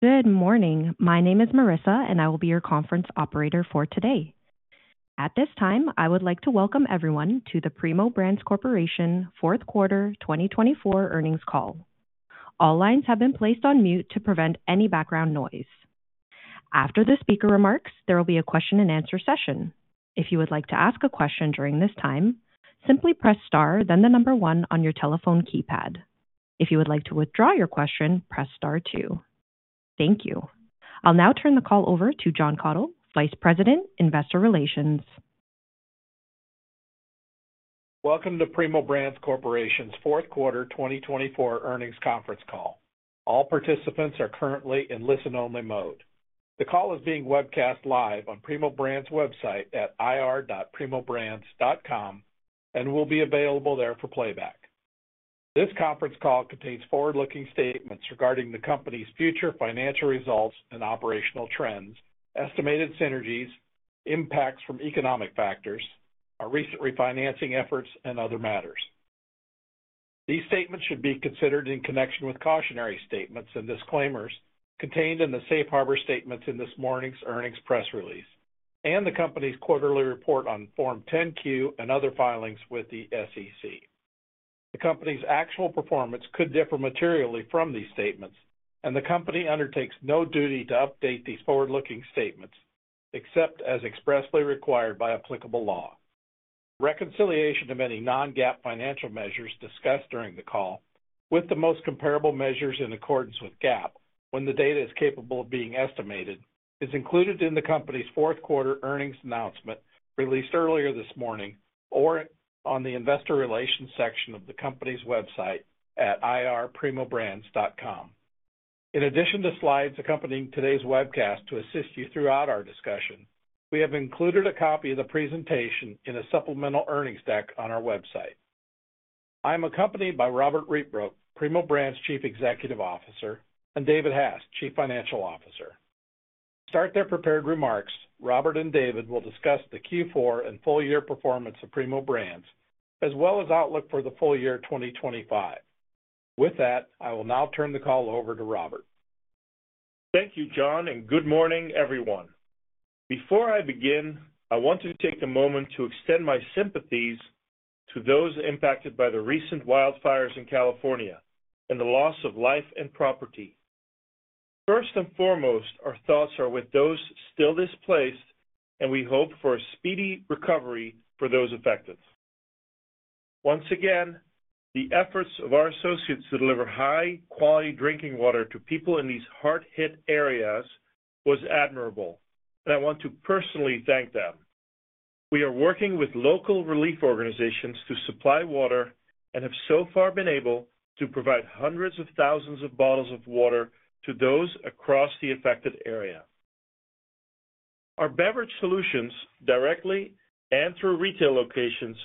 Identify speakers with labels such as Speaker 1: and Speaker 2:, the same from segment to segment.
Speaker 1: Good morning. My name is Marissa, and I will be your conference operator for today. At this time, I would like to welcome everyone to the Primo Brands Corporation Q4 2024 earnings call. All lines have been placed on mute to prevent any background noise. After the speaker remarks, there will be a question-and-answer session. If you would like to ask a question during this time, simply press star, then the number one on your telephone keypad. If you would like to withdraw your question, press star two. Thank you. I'll now turn the call over to Jon Kathol, Vice President, Investor Relations.
Speaker 2: Welcome to Primo Brands Corporation's Q4 2024 Earnings Conference Call. All participants are currently in listen-only mode. The call is being webcast live on Primo Brands' website at ir.primobrands.com and will be available there for playback. This conference call contains forward-looking statements regarding the company's future financial results and operational trends, estimated synergies, impacts from economic factors, our recent refinancing efforts, and other matters. These statements should be considered in connection with cautionary statements and disclaimers contained in the Safe Harbor statements in this morning's earnings press release and the company's quarterly report on Form 10-Q and other filings with the SEC. The company's actual performance could differ materially from these statements, and the company undertakes no duty to update these forward-looking statements except as expressly required by applicable law. Reconciliation of any non-GAAP financial measures discussed during the call with the most comparable measures in accordance with GAAP, when the data is capable of being estimated, is included in the company's Q4 earnings announcement released earlier this morning or on the investor relations section of the company's website at ir.primobrands.com. In addition to slides accompanying today's webcast to assist you throughout our discussion, we have included a copy of the presentation in a supplemental earnings deck on our website. I'm accompanied by Robbert Rietbroek, Primo Brands' Chief Executive Officer, and David Hass, Chief Financial Officer. To start their prepared remarks, Robbert and David will discuss the Q4 and full year performance of Primo Brands, as well as outlook for the full year 2025. With that, I will now turn the call over to Robbert.
Speaker 3: Thank you, Jon, and good morning, everyone. Before I begin, I want to take a moment to extend my sympathies to those impacted by the recent wildfires in California and the loss of life and property. First and foremost, our thoughts are with those still displaced, and we hope for a speedy recovery for those affected. Once again, the efforts of our associates to deliver high-quality drinking water to people in these hard-hit areas was admirable, and I want to personally thank them. We are working with local relief organizations to supply water and have so far been able to provide hundreds of thousands of bottles of water to those across the affected area. Our beverage solutions, directly and through retail locations,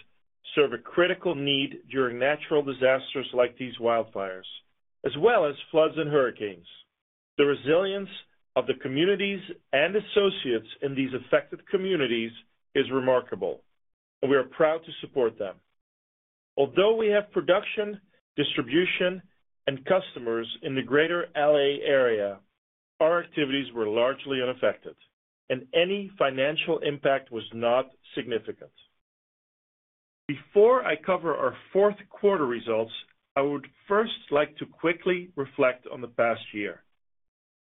Speaker 3: serve a critical need during natural disasters like these wildfires, as well as floods and hurricanes. The resilience of the communities and associates in these affected communities is remarkable, and we are proud to support them. Although we have production, distribution, and customers in the greater LA area, our activities were largely unaffected, and any financial impact was not significant. Before I cover our Q4 results, I would first like to quickly reflect on the past year.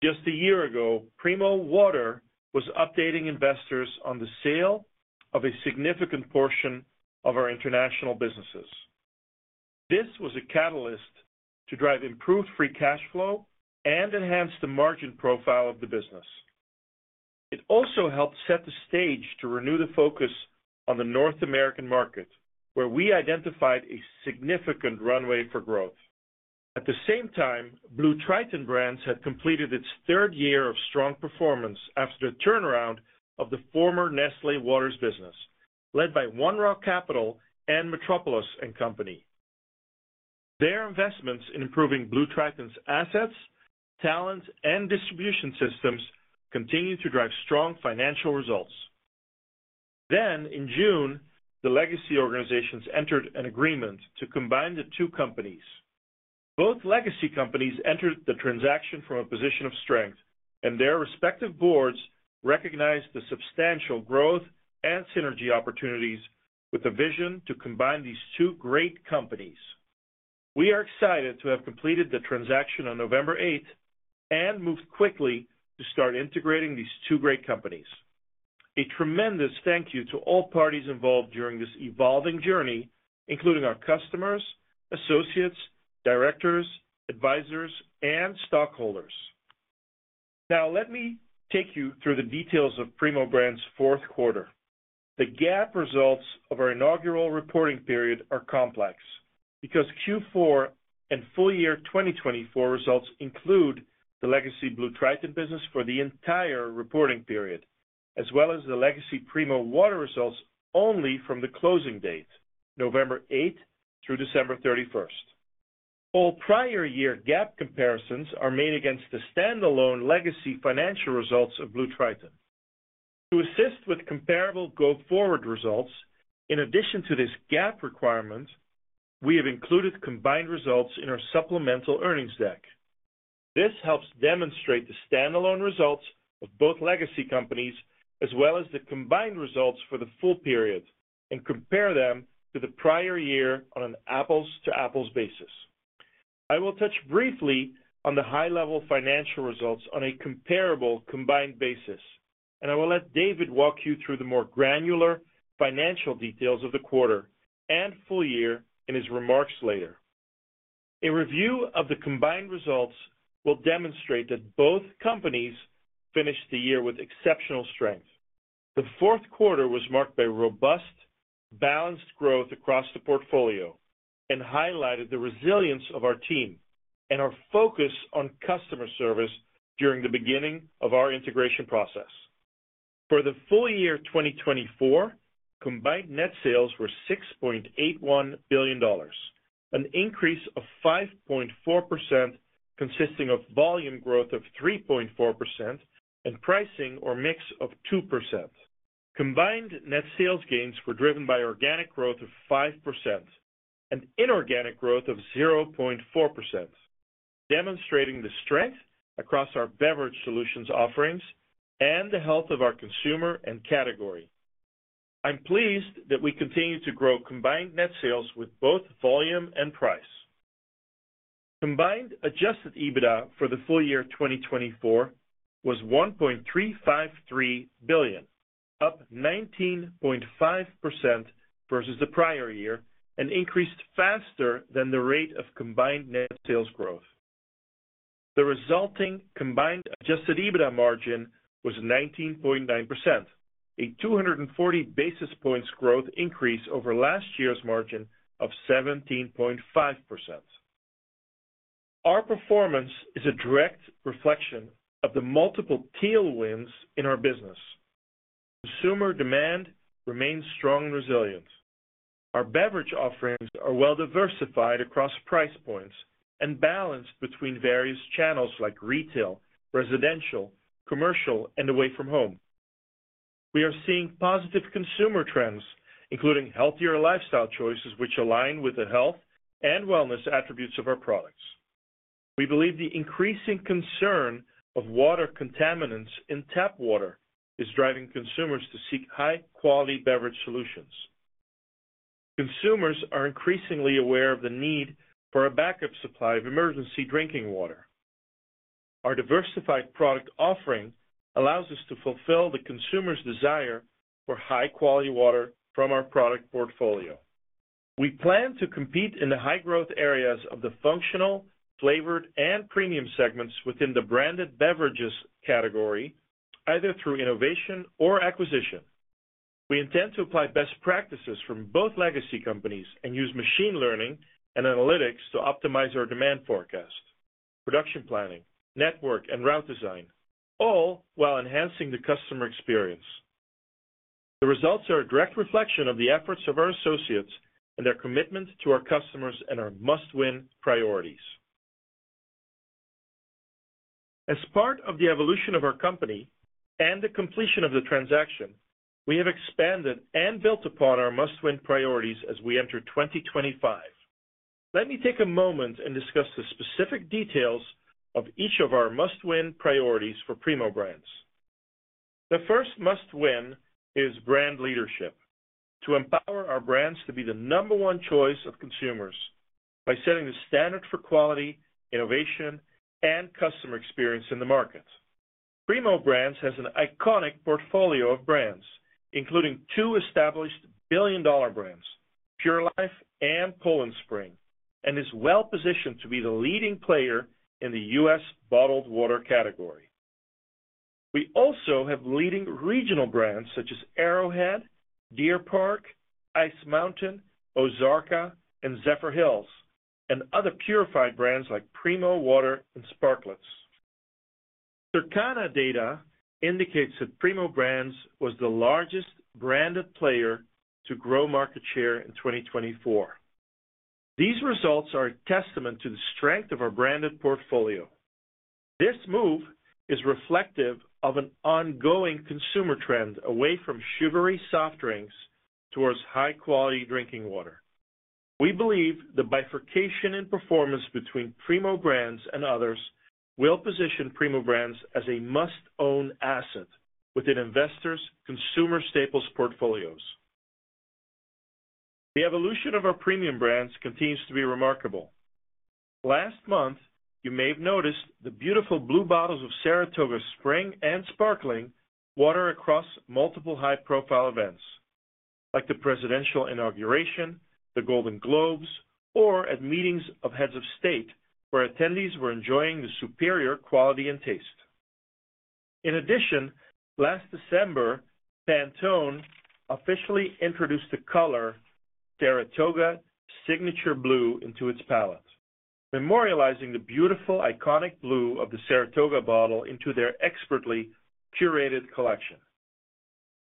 Speaker 3: Just a year ago, Primo Water was updating investors on the sale of a significant portion of our international businesses. This was a catalyst to drive improved free cash flow and enhance the margin profile of the business. It also helped set the stage to renew the focus on the North American market, where we identified a significant runway for growth. At the same time, BlueTriton Brands had completed its third year of strong performance after the turnaround of the former Nestlé Waters business, led by One Rock Capital and Metropoulos & Co. Their investments in improving BlueTriton’s assets, talent, and distribution systems continue to drive strong financial results. Then, in June, the legacy organizations entered an agreement to combine the two companies. Both legacy companies entered the transaction from a position of strength, and their respective boards recognized the substantial growth and synergy opportunities with a vision to combine these two great companies. We are excited to have completed the transaction on 8 November and move quickly to start integrating these two great companies. A tremendous thank you to all parties involved during this evolving journey, including our customers, associates, directors, advisors, and stockholders. Now, let me take you through the details of Primo Brands' Q4. The GAAP results of our inaugural reporting period are complex because Q4 and full year 2024 results include the legacy BlueTriton business for the entire reporting period, as well as the legacy Primo Water results only from the closing date, 8 November through 31 December. All prior year GAAP comparisons are made against the standalone legacy financial results of BlueTriton. To assist with comparable go-forward results, in addition to this GAAP requirement, we have included combined results in our supplemental earnings deck. This helps demonstrate the standalone results of both legacy companies as well as the combined results for the full period and compare them to the prior year on an apples-to-apples basis. I will touch briefly on the high-level financial results on a comparable combined basis, and I will let David walk you through the more granular financial details of the quarter and full year in his remarks later. A review of the combined results will demonstrate that both companies finished the year with exceptional strength. The Q4 was marked by robust, balanced growth across the portfolio and highlighted the resilience of our team and our focus on customer service during the beginning of our integration process. For the full year 2024, combined net sales were $6.81 billion, an increase of 5.4%, consisting of volume growth of 3.4% and pricing or mix of 2%. Combined net sales gains were driven by organic growth of 5% and inorganic growth of 0.4%, demonstrating the strength across our beverage solutions offerings and the health of our consumer and category. I'm pleased that we continue to grow combined net sales with both volume and price. Combined Adjusted EBITDA for the full year 2024 was $1.353 billion, up 19.5% versus the prior year, and increased faster than the rate of combined net sales growth. The resulting combined Adjusted EBITDA margin was 19.9%, a 240 basis points growth increase over last year's margin of 17.5%. Our performance is a direct reflection of the multiple tailwinds in our business. Consumer demand remains strong and resilient. Our beverage offerings are well-diversified across price points and balanced between various channels like retail, residential, commercial, and away from home. We are seeing positive consumer trends, including healthier lifestyle choices which align with the health and wellness attributes of our products. We believe the increasing concern of water contaminants in tap water is driving consumers to seek high-quality beverage solutions. Consumers are increasingly aware of the need for a backup supply of emergency drinking water. Our diversified product offering allows us to fulfill the consumer's desire for high-quality water from our product portfolio. We plan to compete in the high-growth areas of the functional, flavored, and premium segments within the branded beverages category, either through innovation or acquisition. We intend to apply best practices from both legacy companies and use machine learning and analytics to optimize our demand forecast, production planning, network, and route design, all while enhancing the customer experience. The results are a direct reflection of the efforts of our associates and their commitment to our customers and our must-win priorities. As part of the evolution of our company and the completion of the transaction, we have expanded and built upon our must-win priorities as we enter 2025. Let me take a moment and discuss the specific details of each of our must-win priorities for Primo Brands. The first must-win is brand leadership. To empower our brands to be the number one choice of consumers by setting the standard for quality, innovation, and customer experience in the market. Primo Brands has an iconic portfolio of brands, including two established billion-dollar brands, Pure Life and Poland Spring, and is well-positioned to be the leading player in the US bottled water category. We also have leading regional brands such as Arrowhead, Deer Park, Ice Mountain, Ozarka, and Zephyrhills, and other purified brands like Primo Water and Sparkletts. Circana data indicates that Primo Brands was the largest branded player to grow market share in 2024. These results are a testament to the strength of our branded portfolio. This move is reflective of an ongoing consumer trend away from sugary soft drinks towards high-quality drinking water. We believe the bifurcation in performance between Primo Brands and others will position Primo Brands as a must-own asset within investors' consumer staples portfolios. The evolution of our premium brands continues to be remarkable. Last month, you may have noticed the beautiful blue bottles of Saratoga Spring and Sparkling Water across multiple high-profile events, like the presidential inauguration, the Golden Globes, or at meetings of heads of state where attendees were enjoying the superior quality and taste. In addition, last December, Pantone officially introduced the color Saratoga Signature Blue into its palette, memorializing the beautiful, iconic blue of the Saratoga bottle into their expertly curated collection.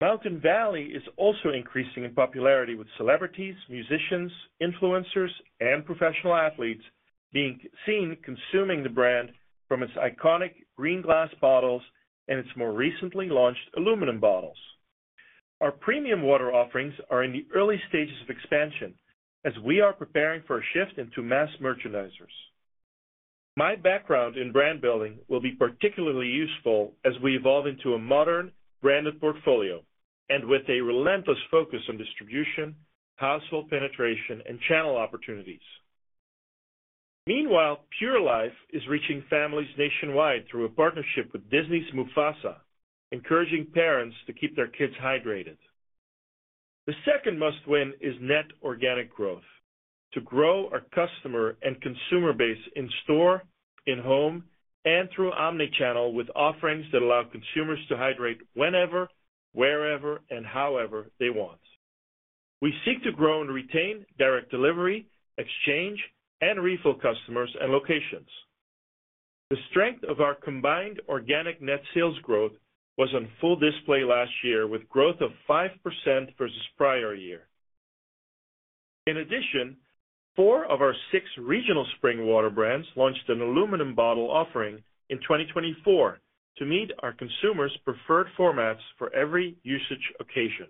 Speaker 3: Mountain Valley is also increasing in popularity with celebrities, musicians, influencers, and professional athletes being seen consuming the brand from its iconic green glass bottles and its more recently launched aluminum bottles. Our premium water offerings are in the early stages of expansion as we are preparing for a shift into mass merchandisers. My background in brand building will be particularly useful as we evolve into a modern branded portfolio and with a relentless focus on distribution, household penetration, and channel opportunities. Meanwhile, Pure Life is reaching families nationwide through a partnership with Disney's Mufasa, encouraging parents to keep their kids hydrated. The second must-win is net organic growth. To grow our customer and consumer base in store, in home, and through omnichannel with offerings that allow consumers to hydrate whenever, wherever, and however they want. We seek to grow and retain direct delivery, exchange, and refill customers and locations. The strength of our combined organic net sales growth was on full display last year with growth of 5% versus prior year. In addition, four of our six regional spring water brands launched an aluminum bottle offering in 2024 to meet our consumers' preferred formats for every usage occasion.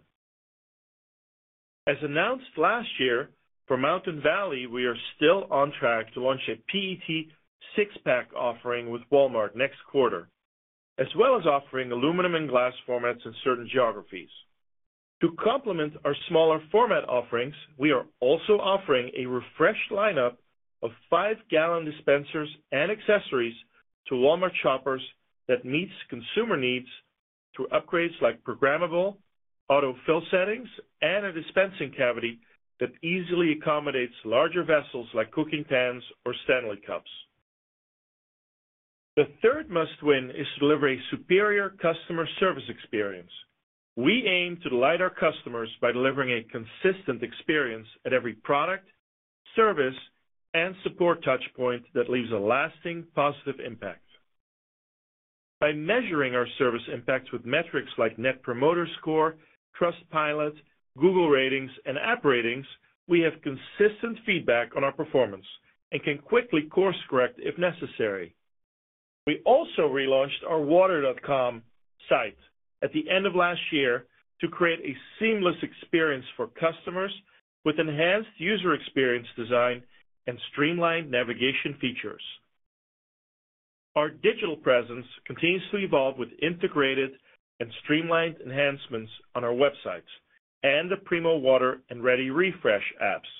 Speaker 3: As announced last year, for Mountain Valley, we are still on track to launch a PET six-pack offering with Walmart next quarter, as well as offering aluminum and glass formats in certain geographies. To complement our smaller format offerings, we are also offering a refreshed lineup of five-gallon dispensers and accessories to Walmart shoppers that meets consumer needs through upgrades like programmable autofill settings and a dispensing cavity that easily accommodates larger vessels like cooking pans or Stanley cups. The third must-win is to deliver a superior customer service experience. We aim to delight our customers by delivering a consistent experience at every product, service, and support touchpoint that leaves a lasting positive impact. By measuring our service impacts with metrics like Net Promoter Score, Trustpilot, Google ratings, and app ratings, we have consistent feedback on our performance and can quickly course-correct if necessary. We also relaunched our water.com site at the end of last year to create a seamless experience for customers with enhanced user experience design and streamlined navigation features. Our digital presence continues to evolve with integrated and streamlined enhancements on our websites and the Primo Water and ReadyRefresh apps.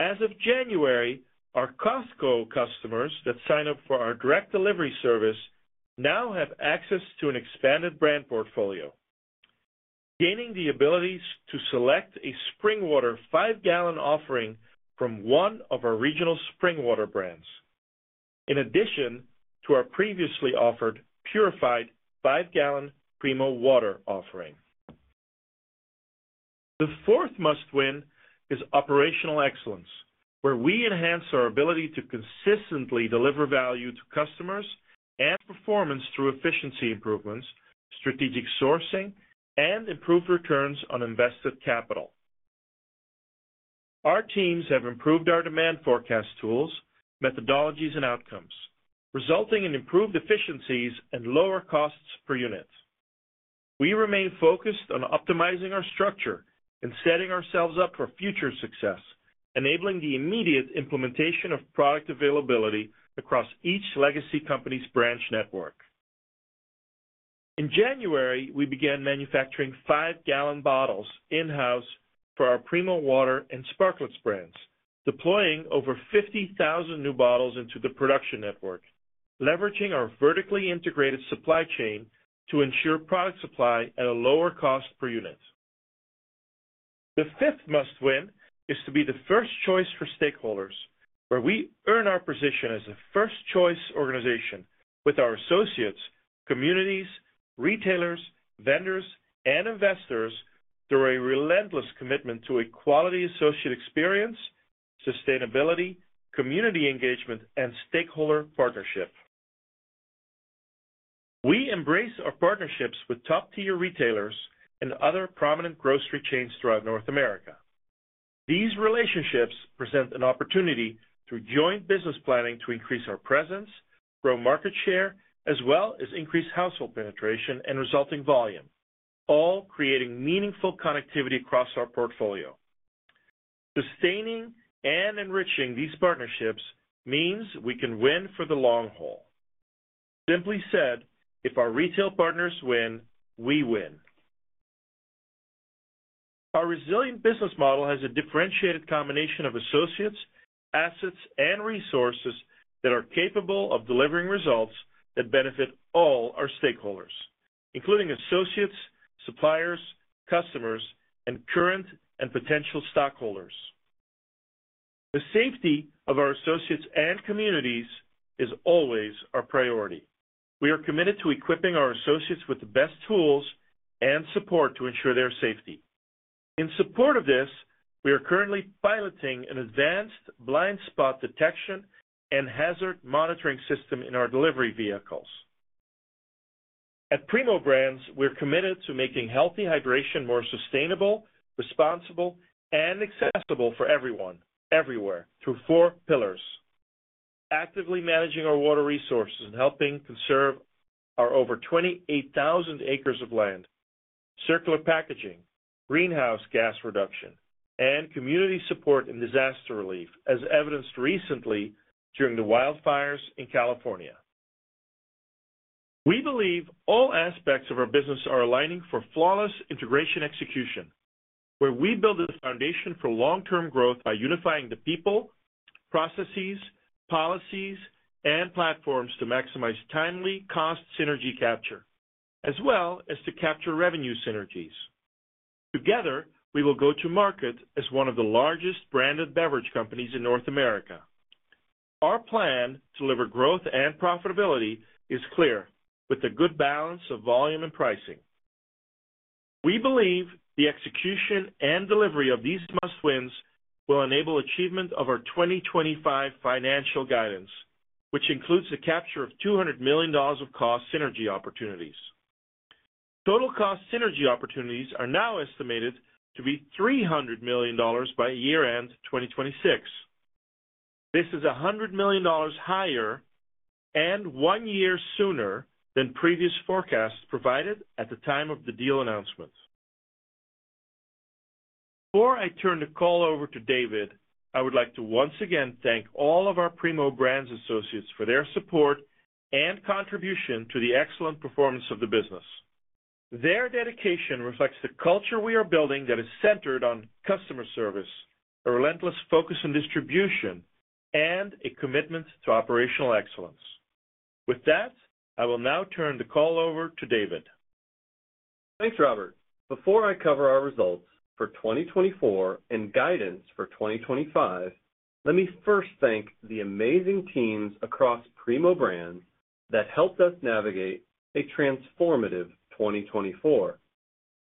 Speaker 3: As of January, our Costco customers that sign up for our direct delivery service now have access to an expanded brand portfolio, gaining the ability to select a spring water five-gallon offering from one of our regional spring water brands, in addition to our previously offered purified five-gallon Primo Water offering. The fourth must-win is operational excellence, where we enhance our ability to consistently deliver value to customers and performance through efficiency improvements, strategic sourcing, and improved returns on invested capital. Our teams have improved our demand forecast tools, methodologies, and outcomes, resulting in improved efficiencies and lower costs per unit. We remain focused on optimizing our structure and setting ourselves up for future success, enabling the immediate implementation of product availability across each legacy company's branch network. In January, we began manufacturing five-gallon bottles in-house for our Primo Water and Sparkletts brands, deploying over 50,000 new bottles into the production network, leveraging our vertically integrated supply chain to ensure product supply at a lower cost per unit. The fifth must-win is to be the first choice for stakeholders, where we earn our position as a first-choice organization with our associates, communities, retailers, vendors, and investors through a relentless commitment to a quality associate experience, sustainability, community engagement, and stakeholder partnership. We embrace our partnerships with top-tier retailers and other prominent grocery chains throughout North America. These relationships present an opportunity through joint business planning to increase our presence, grow market share, as well as increase household penetration and resulting volume, all creating meaningful connectivity across our portfolio. Sustaining and enriching these partnerships means we can win for the long haul. Simply said, if our retail partners win, we win. Our resilient business model has a differentiated combination of associates, assets, and resources that are capable of delivering results that benefit all our stakeholders, including associates, suppliers, customers, and current and potential stockholders. The safety of our associates and communities is always our priority. We are committed to equipping our associates with the best tools and support to ensure their safety. In support of this, we are currently piloting an advanced blind spot detection and hazard monitoring system in our delivery vehicles. At Primo Brands, we're committed to making healthy hydration more sustainable, responsible, and accessible for everyone, everywhere, through four pillars: actively managing our water resources and helping conserve our over 28,000 acres of land, circular packaging, greenhouse gas reduction, and community support in disaster relief, as evidenced recently during the wildfires in California. We believe all aspects of our business are aligning for flawless integration execution, where we build a foundation for long-term growth by unifying the people, processes, policies, and platforms to maximize timely cost synergy capture, as well as to capture revenue synergies. Together, we will go to market as one of the largest branded beverage companies in North America. Our plan to deliver growth and profitability is clear, with a good balance of volume and pricing. We believe the execution and delivery of these must-wins will enable achievement of our 2025 financial guidance, which includes the capture of $200 million of cost synergy opportunities. Total cost synergy opportunities are now estimated to be $300 million by year-end 2026. This is $100 million higher and one year sooner than previous forecasts provided at the time of the deal announcement. Before I turn the call over to David, I would like to once again thank all of our Primo Brands associates for their support and contribution to the excellent performance of the business. Their dedication reflects the culture we are building that is centered on customer service, a relentless focus on distribution, and a commitment to operational excellence. With that, I will now turn the call over to David.
Speaker 4: Thanks, Robert. Before I cover our results for 2024 and guidance for 2025, let me first thank the amazing teams across Primo Brands that helped us navigate a transformative 2024.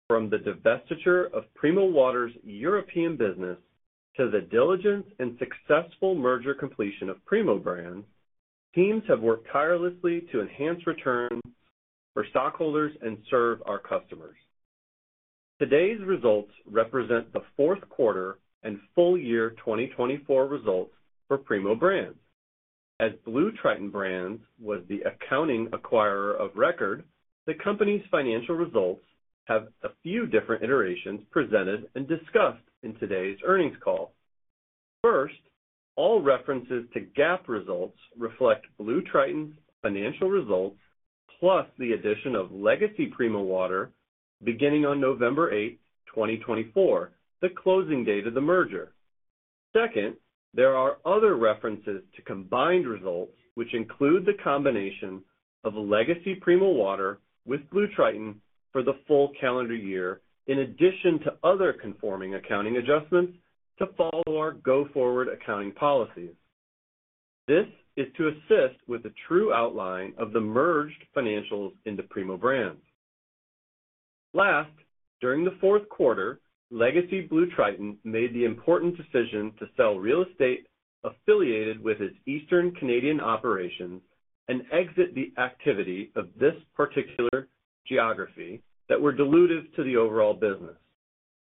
Speaker 4: From the divestiture of Primo Water's European business to the diligent and successful merger completion of Primo Brands, teams have worked tirelessly to enhance returns for stockholders and serve our customers. Today's results represent the Q4 and full year 2024 results for Primo Brands. As BlueTriton Brands was the accounting acquirer of record, the company's financial results have a few different iterations presented and discussed in today's earnings call. First, all references to GAAP results reflect BlueTriton's financial results, plus the addition of legacy Primo Water beginning on 8 November 2024, the closing date of the merger. Second, there are other references to combined results, which include the combination of legacy Primo Water with BlueTriton for the full calendar year, in addition to other conforming accounting adjustments to follow our go-forward accounting policies. This is to assist with the true outline of the merged financials into Primo Brands. Last, during the Q4, legacy BlueTriton made the important decision to sell real estate affiliated with its Eastern Canadian operations and exit the activity of this particular geography that were diluted to the overall business.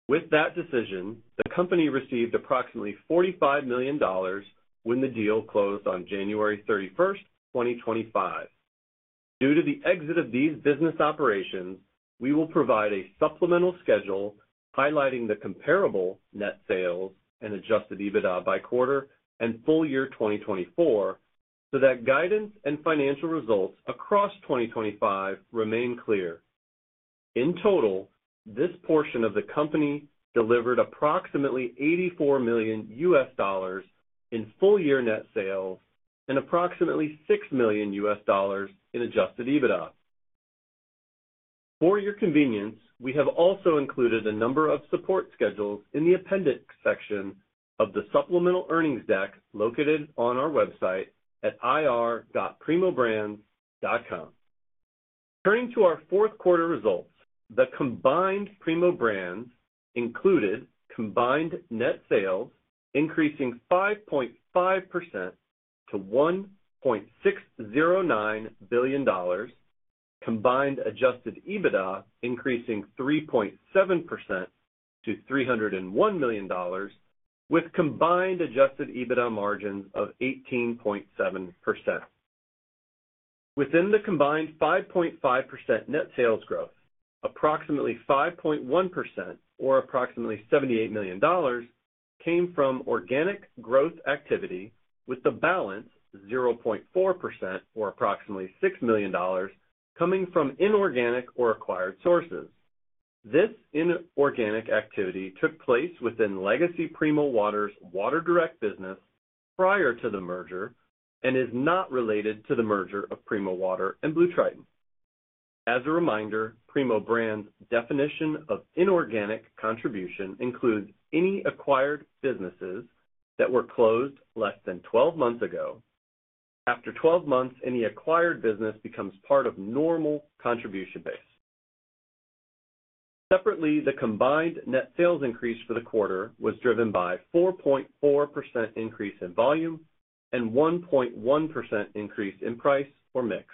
Speaker 4: With that decision, the company received approximately $45 million when the deal closed on 31 January 2025. Due to the exit of these business operations, we will provide a supplemental schedule highlighting the comparable net sales and adjusted EBITDA by quarter and full year 2024 so that guidance and financial results across 2025 remain clear. In total, this portion of the company delivered approximately $84 million in full year net sales and approximately $6 million in adjusted EBITDA. For your convenience, we have also included a number of support schedules in the appendix section of the supplemental earnings deck located on our website at ir.primobrands.com. Turning to our Q4 results, the combined Primo Brands included combined net sales increasing 5.5% to $1.609 billion, combined adjusted EBITDA increasing 3.7% to $301 million, with combined adjusted EBITDA margins of 18.7%. Within the combined 5.5% net sales growth, approximately 5.1% or approximately $78 million came from organic growth activity, with the balance 0.4% or approximately $6 million coming from inorganic or acquired sources. This inorganic activity took place within legacy Primo Water's Water Direct business prior to the merger and is not related to the merger of Primo Water and BlueTriton. As a reminder, Primo Brands' definition of inorganic contribution includes any acquired businesses that were closed less than 12 months ago. After 12 months, any acquired business becomes part of normal contribution base. Separately, the combined net sales increase for the quarter was driven by a 4.4% increase in volume and a 1.1% increase in price or mix.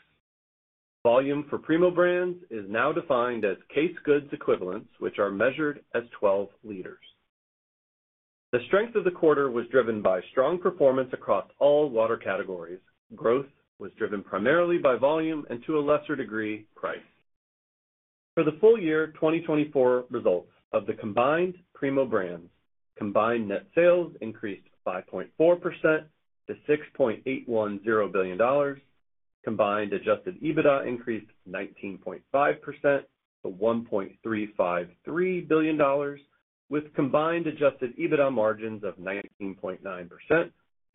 Speaker 4: Volume for Primo Brands is now defined as case goods equivalents, which are measured as 12 liters. The strength of the quarter was driven by strong performance across all water categories. Growth was driven primarily by volume and, to a lesser degree, price. For the full year 2024 results of the combined Primo Brands, combined net sales increased 5.4% to $6.810 billion, combined adjusted EBITDA increased 19.5% to $1.353 billion, with combined adjusted EBITDA margins of 19.9%,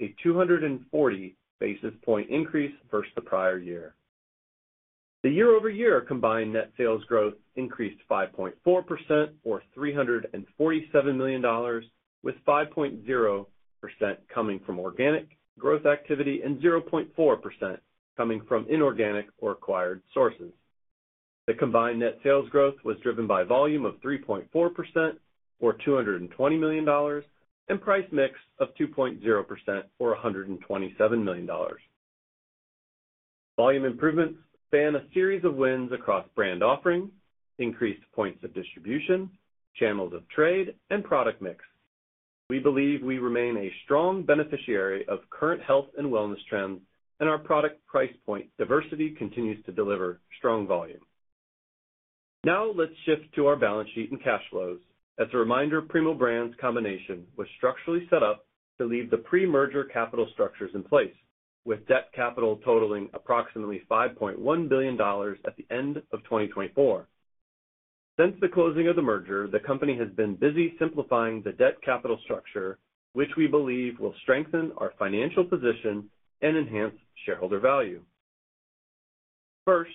Speaker 4: a 240 basis point increase versus the prior year. The year-over-year combined net sales growth increased 5.4% or $347 million, with 5.0% coming from organic growth activity and 0.4% coming from inorganic or acquired sources. The combined net sales growth was driven by volume of 3.4% or $220 million and price mix of 2.0% or $127 million. Volume improvements span a series of wins across brand offerings, increased points of distribution, channels of trade, and product mix. We believe we remain a strong beneficiary of current health and wellness trends, and our product price point diversity continues to deliver strong volume. Now, let's shift to our balance sheet and cash flows. As a reminder, Primo Brands' combination was structurally set up to leave the pre-merger capital structures in place, with debt capital totaling approximately $5.1 billion at the end of 2024. Since the closing of the merger, the company has been busy simplifying the debt capital structure, which we believe will strengthen our financial position and enhance shareholder value. First,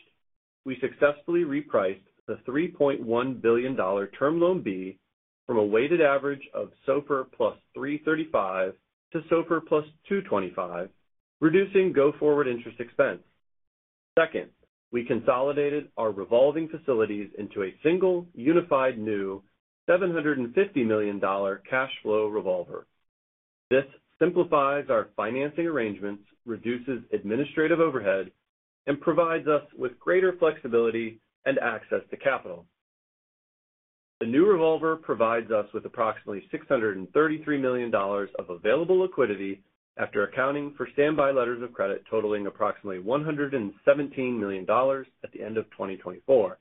Speaker 4: we successfully repriced the $3.1 billion term loan B from a weighted average of SOFR plus 335 to SOFR plus 225, reducing go-forward interest expense. Second, we consolidated our revolving facilities into a single unified new $750 million cash flow revolver. This simplifies our financing arrangements, reduces administrative overhead, and provides us with greater flexibility and access to capital. The new revolver provides us with approximately $633 million of available liquidity after accounting for standby letters of credit totaling approximately $117 million at the end of 2024.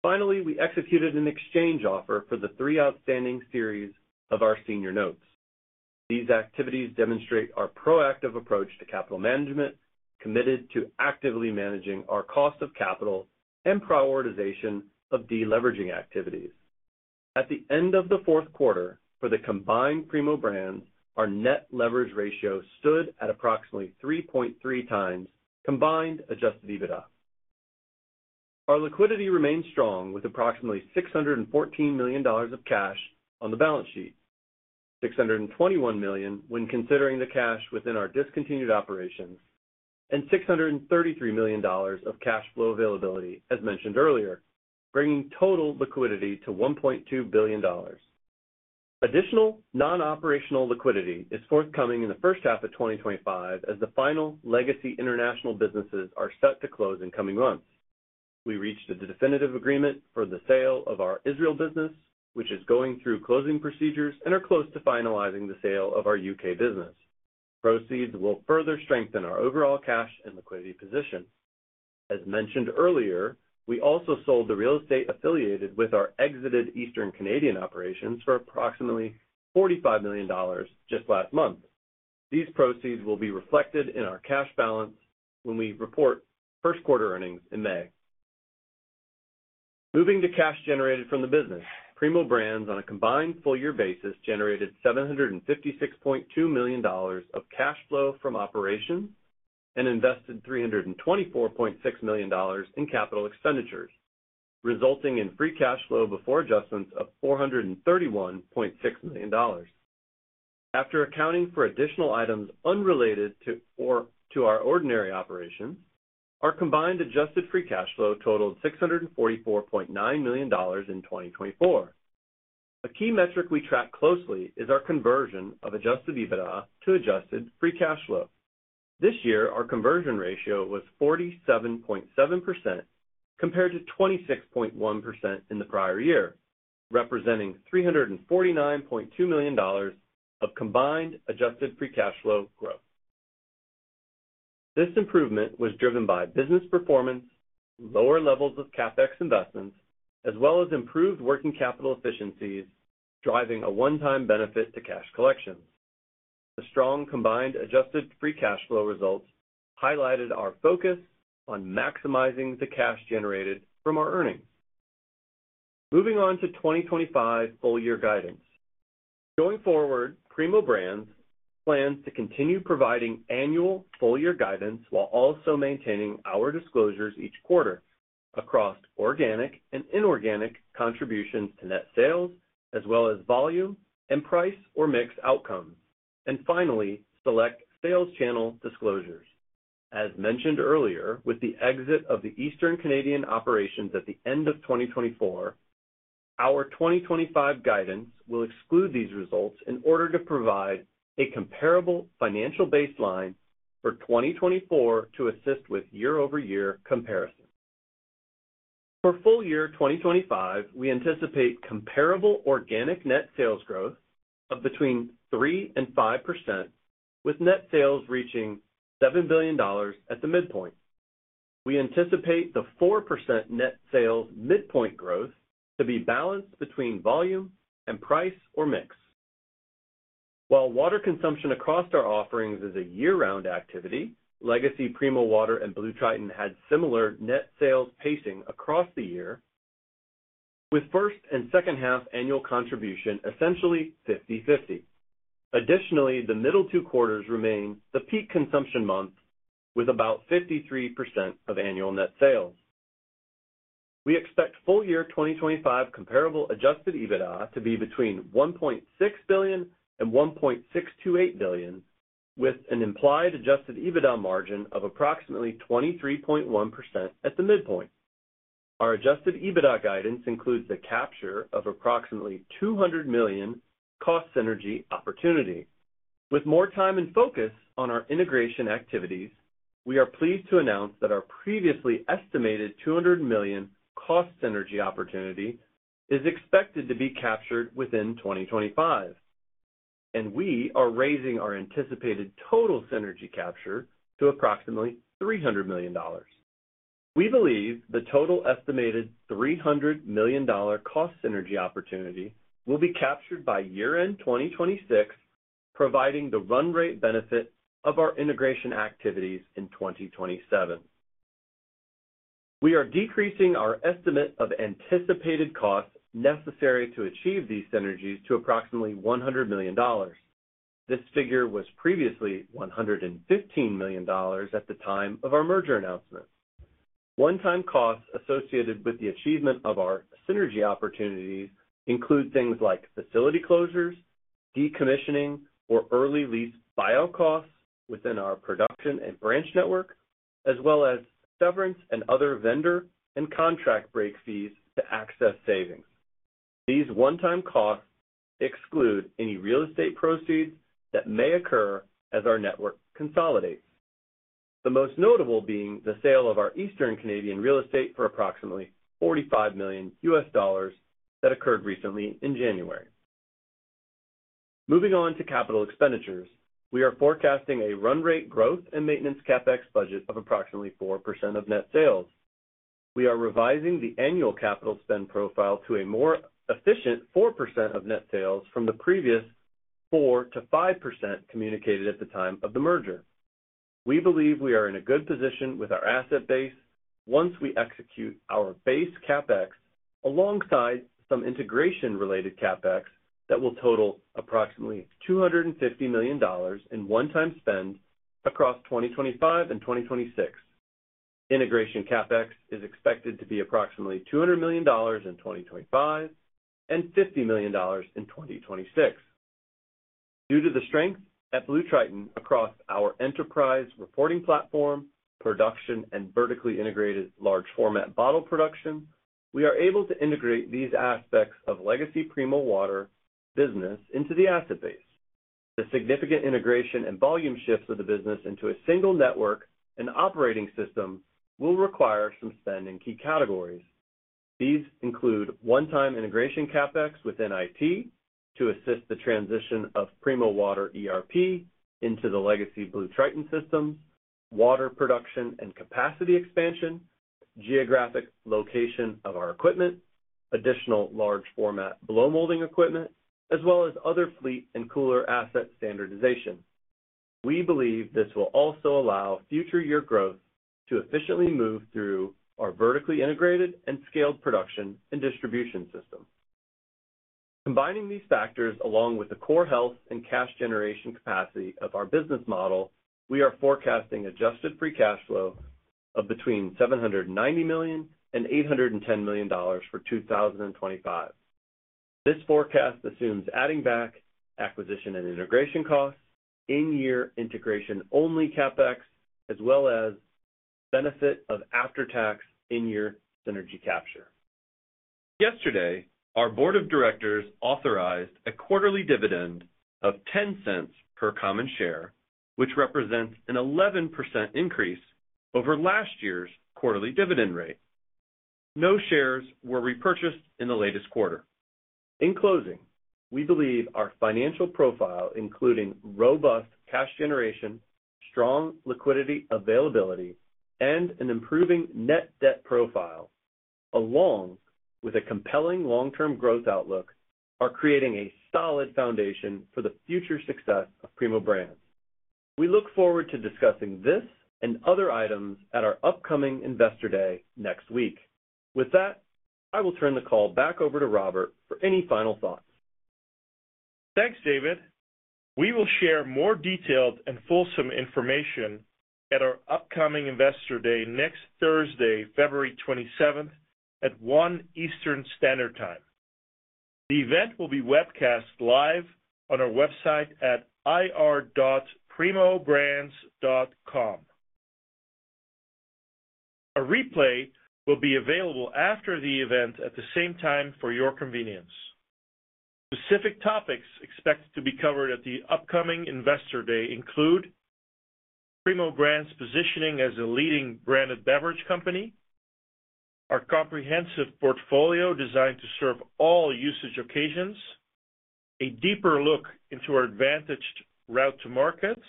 Speaker 4: Finally, we executed an exchange offer for the three outstanding series of our senior notes. These activities demonstrate our proactive approach to capital management, committed to actively managing our cost of capital and prioritization of deleveraging activities. At the end of the Q4, for the combined Primo Brands, our net leverage ratio stood at approximately 3.3x combined Adjusted EBITDA. Our liquidity remained strong with approximately $614 million of cash on the balance sheet, $621 million when considering the cash within our discontinued operations, and $633 million of cash flow availability, as mentioned earlier, bringing total liquidity to $1.2 billion. Additional non-operational liquidity is forthcoming in the first half of 2025 as the final legacy international businesses are set to close in coming months. We reached a definitive agreement for the sale of our Israeli business, which is going through closing procedures and are close to finalizing the sale of our UK business. Proceeds will further strengthen our overall cash and liquidity position. As mentioned earlier, we also sold the real estate affiliated with our exited Eastern Canadian operations for approximately $45 million just last month. These proceeds will be reflected in our cash balance when we report Q1 earnings in May. Moving to cash generated from the business, Primo Brands on a combined full year basis generated $756.2 million of cash flow from operations and invested $324.6 million in capital expenditures, resulting in free cash flow before adjustments of $431.6 million. After accounting for additional items unrelated to our ordinary operations, our combined adjusted free cash flow totaled $644.9 million in 2024. A key metric we track closely is our conversion of adjusted EBITDA to adjusted free cash flow. This year, our conversion ratio was 47.7% compared to 26.1% in the prior year, representing $349.2 million of combined adjusted free cash flow growth. This improvement was driven by business performance, lower levels of CapEx investments, as well as improved working capital efficiencies, driving a one-time benefit to cash collections. The strong combined adjusted free cash flow results highlighted our focus on maximizing the cash generated from our earnings. Moving on to 2025 full year guidance. Going forward, Primo Brands plans to continue providing annual full year guidance while also maintaining our disclosures each quarter across organic and inorganic contributions to net sales, as well as volume and price or mix outcomes, and finally, select sales channel disclosures. As mentioned earlier, with the exit of the Eastern Canadian operations at the end of 2024, our 2025 guidance will exclude these results in order to provide a comparable financial baseline for 2024 to assist with year-over-year comparison. For full year 2025, we anticipate comparable organic net sales growth of between 3% and 5%, with net sales reaching $7 billion at the midpoint. We anticipate the 4% net sales midpoint growth to be balanced between volume and price or mix. While water consumption across our offerings is a year-round activity, legacy Primo Water and BlueTriton had similar net sales pacing across the year, with first and second half annual contribution essentially 50/50. Additionally, the middle two quarters remain the peak consumption months with about 53% of annual net sales. We expect full year 2025 comparable adjusted EBITDA to be between $1.6 billion and $1.628 billion, with an implied adjusted EBITDA margin of approximately 23.1% at the midpoint. Our adjusted EBITDA guidance includes the capture of approximately $200 million cost synergy opportunity. With more time and focus on our integration activities, we are pleased to announce that our previously estimated $200 million cost synergy opportunity is expected to be captured within 2025, and we are raising our anticipated total synergy capture to approximately $300 million. We believe the total estimated $300 million cost synergy opportunity will be captured by year-end 2026, providing the run rate benefit of our integration activities in 2027. We are decreasing our estimate of anticipated costs necessary to achieve these synergies to approximately $100 million. This figure was previously $115 million at the time of our merger announcement. One-time costs associated with the achievement of our synergy opportunities include things like facility closures, decommissioning, or early lease buyout costs within our production and branch network, as well as severance and other vendor and contract breakage fees to access savings. These one-time costs exclude any real estate proceeds that may occur as our network consolidates, the most notable being the sale of our Eastern Canada real estate for approximately $45 million that occurred recently in January. Moving on to capital expenditures, we are forecasting a run rate growth and maintenance CapEx budget of approximately 4% of net sales. We are revising the annual capital spend profile to a more efficient 4% of net sales from the previous 4% to 5% communicated at the time of the merger. We believe we are in a good position with our asset base once we execute our base CapEx alongside some integration-related CapEx that will total approximately $250 million in one-time spend across 2025 and 2026. Integration CapEx is expected to be approximately $200 million in 2025 and $50 million in 2026. Due to the strength at BlueTriton across our enterprise reporting platform, production, and vertically integrated large-format bottle production, we are able to integrate these aspects of legacy Primo Water business into the asset base. The significant integration and volume shifts of the business into a single network and operating system will require some spend in key categories. These include one-time integration CapEx within IT to assist the transition of Primo Water ERP into the legacy BlueTriton systems, water production and capacity expansion, geographic location of our equipment, additional large-format blow molding equipment, as well as other fleet and cooler asset standardization. We believe this will also allow future year growth to efficiently move through our vertically integrated and scaled production and distribution system. Combining these factors along with the core health and cash generation capacity of our business model, we are forecasting adjusted free cash flow of between $790 million and $810 million for 2025. This forecast assumes adding back acquisition and integration costs, in-year integration-only CapEx, as well as benefit of after-tax in-year synergy capture. Yesterday, our board of directors authorized a quarterly dividend of $0.10 per common share, which represents an 11% increase over last year's quarterly dividend rate. No shares were repurchased in the latest quarter. In closing, we believe our financial profile, including robust cash generation, strong liquidity availability, and an improving net debt profile, along with a compelling long-term growth outlook, are creating a solid foundation for the future success of Primo Brands. We look forward to discussing this and other items at our upcoming Investor Day next week. With that, I will turn the call back over to Robert for any final thoughts.
Speaker 3: Thanks, David. We will share more detailed and fulsome information at our upcoming Investor Day next Thursday, 27 February, at 1:00 Eastern Standard Time. The event will be webcast live on our website at ir.primobrands.com. A replay will be available after the event at the same time for your convenience. Specific topics expected to be covered at the upcoming Investor Day include Primo Brands' positioning as a leading branded beverage company, our comprehensive portfolio designed to serve all usage occasions, a deeper look into our advantaged route to markets,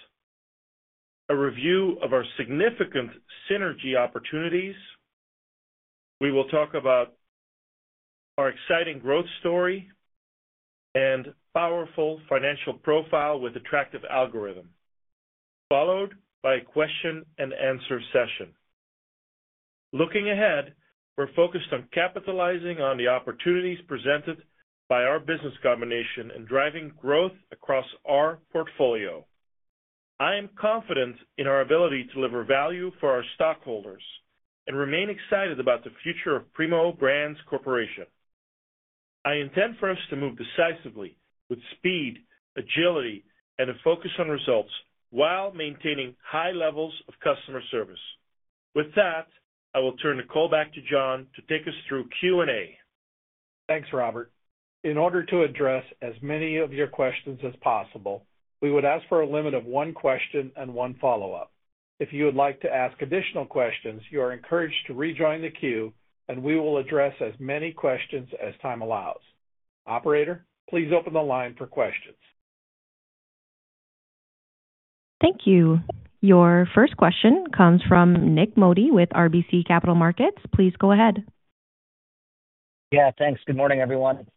Speaker 3: a review of our significant synergy opportunities, we will talk about our exciting growth story and powerful financial profile with attractive algorithm, followed by a question-and-answer session. Looking ahead, we're focused on capitalizing on the opportunities presented by our business combination and driving growth across our portfolio. I am confident in our ability to deliver value for our stockholders and remain excited about the future of Primo Brands Corporation. I intend for us to move decisively with speed, agility, and a focus on results while maintaining high levels of customer service. With that, I will turn the call back to Jon to take us through Q&A.
Speaker 2: Thanks, Robert. In order to address as many of your questions as possible, we would ask for a limit of one question and one follow-up. If you would like to ask additional questions, you are encouraged to rejoin the queue, and we will address as many questions as time allows. Operator, please open the line for questions.
Speaker 1: Thank you. Your first question comes from Nik Modi with RBC Capital Markets. Please go ahead.
Speaker 5: Yeah, thanks. Good morning, everyone.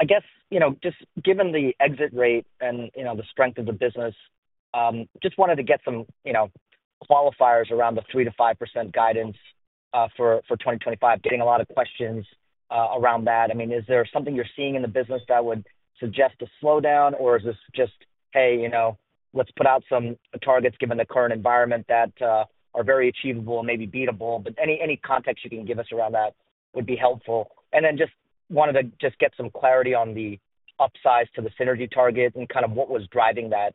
Speaker 5: I guess, you know, just given the exit rate and, you know, the strength of the business, I just wanted to get some, you know, qualifiers around the 3% to 5% guidance for 2025. Getting a lot of questions around that. I mean, is there something you're seeing in the business that would suggest a slowdown, or is this just, hey, you know, let's put out some targets given the current environment that are very achievable and maybe beatable, but any context you can give us around that would be helpful, and then just wanted to just get some clarity on the upsize to the synergy target and kind of what was driving that.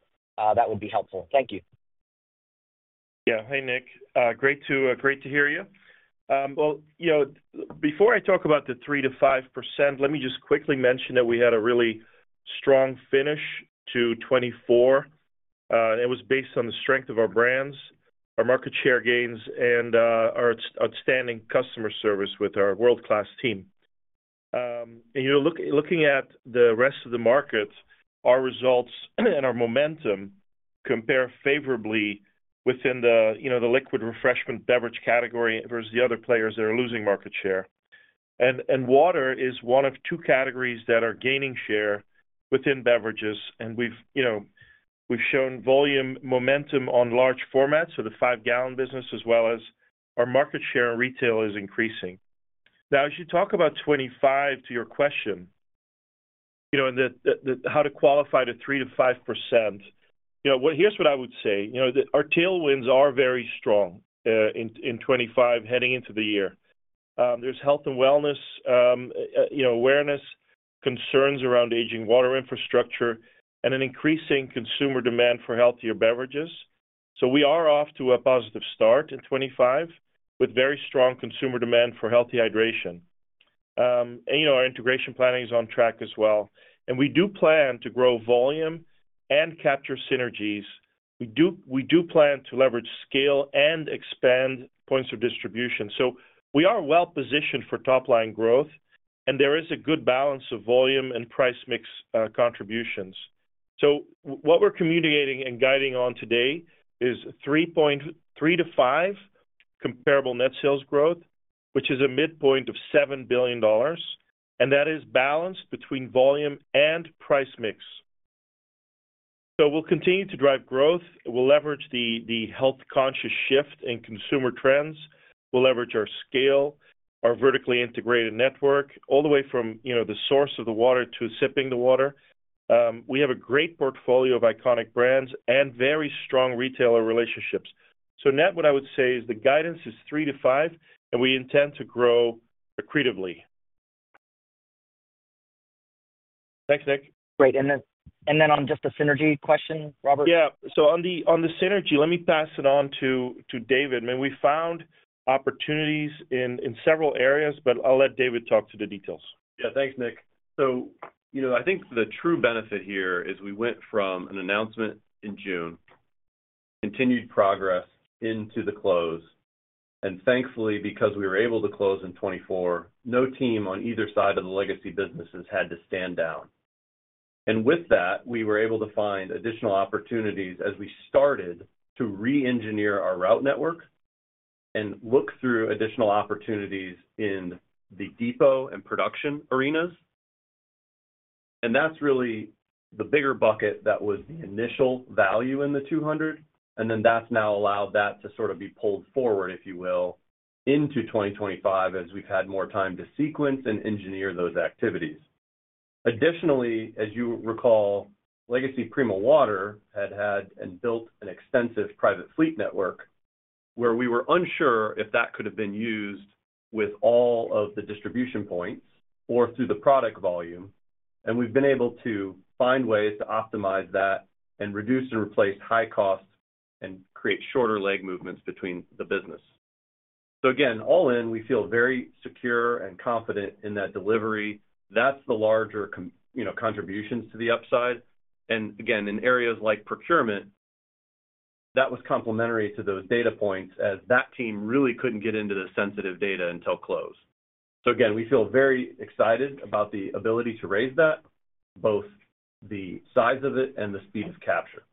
Speaker 5: That would be helpful. Thank you.
Speaker 3: Yeah. Hey, Nik. Great to hear you. Well, you know, before I talk about the 3% to 5%, let me just quickly mention that we had a really strong finish to 2024. It was based on the strength of our brands, our market share gains, and our outstanding customer service with our world-class team. And you know, looking at the rest of the market, our results and our momentum compare favorably within the, you know, the liquid refreshment beverage category versus the other players that are losing market share. And water is one of two categories that are gaining share within beverages. And we've, you know, we've shown volume momentum on large formats for the five-gallon business, as well as our market share in retail is increasing. Now, as you talk about 2025, to your question, you know, and how to qualify the 3% to 5%, you know, here's what I would say. You know, our tailwinds are very strong in 2025 heading into the year. There's health and wellness, you know, awareness, concerns around aging water infrastructure, and an increasing consumer demand for healthier beverages. So we are off to a positive start in 2025 with very strong consumer demand for healthy hydration. You know, our integration planning is on track as well. We do plan to grow volume and capture synergies. We do plan to leverage scale and expand points of distribution. We are well-positioned for top-line growth, and there is a good balance of volume and price mix contributions. What we're communicating and guiding on today is 3% to 5% comparable net sales growth, which is a midpoint of $7 billion, and that is balanced between volume and price mix. We'll continue to drive growth. We'll leverage the health-conscious shift in consumer trends. We'll leverage our scale, our vertically integrated network, all the way from, you know, the source of the water to sipping the water. We have a great portfolio of iconic brands and very strong retailer relationships. So, Nik, what I would say is the guidance is 3% to 5%, and we intend to grow accretively. Thanks, Nik.
Speaker 5: Great. And then on just the synergy question, Robbert?
Speaker 3: Yeah. So on the synergy, let me pass it on to David. I mean, we found opportunities in several areas, but I'll let David talk to the details.
Speaker 4: Yeah. Thanks, Nik. So, you know, I think the true benefit here is we went from an announcement in June, continued progress into the close. And thankfully, because we were able to close in 2024, no team on either side of the legacy businesses had to stand down. And with that, we were able to find additional opportunities as we started to re-engineer our route network and look through additional opportunities in the depot and production arenas. And that's really the bigger bucket that was the initial value in the 200. And then that's now allowed that to sort of be pulled forward, if you will, into 2025 as we've had more time to sequence and engineer those activities. Additionally, as you recall, legacy Primo Water had had and built an extensive private fleet network where we were unsure if that could have been used with all of the distribution points or through the product volume. And we've been able to find ways to optimize that and reduce and replace high costs and create shorter leg movements between the business. So again, all in, we feel very secure and confident in that delivery. That's the larger, you know, contributions to the upside. And again, in areas like procurement, that was complementary to those data points as that team really couldn't get into the sensitive data until close. So again, we feel very excited about the ability to raise that, both the size of it and the speed of capture.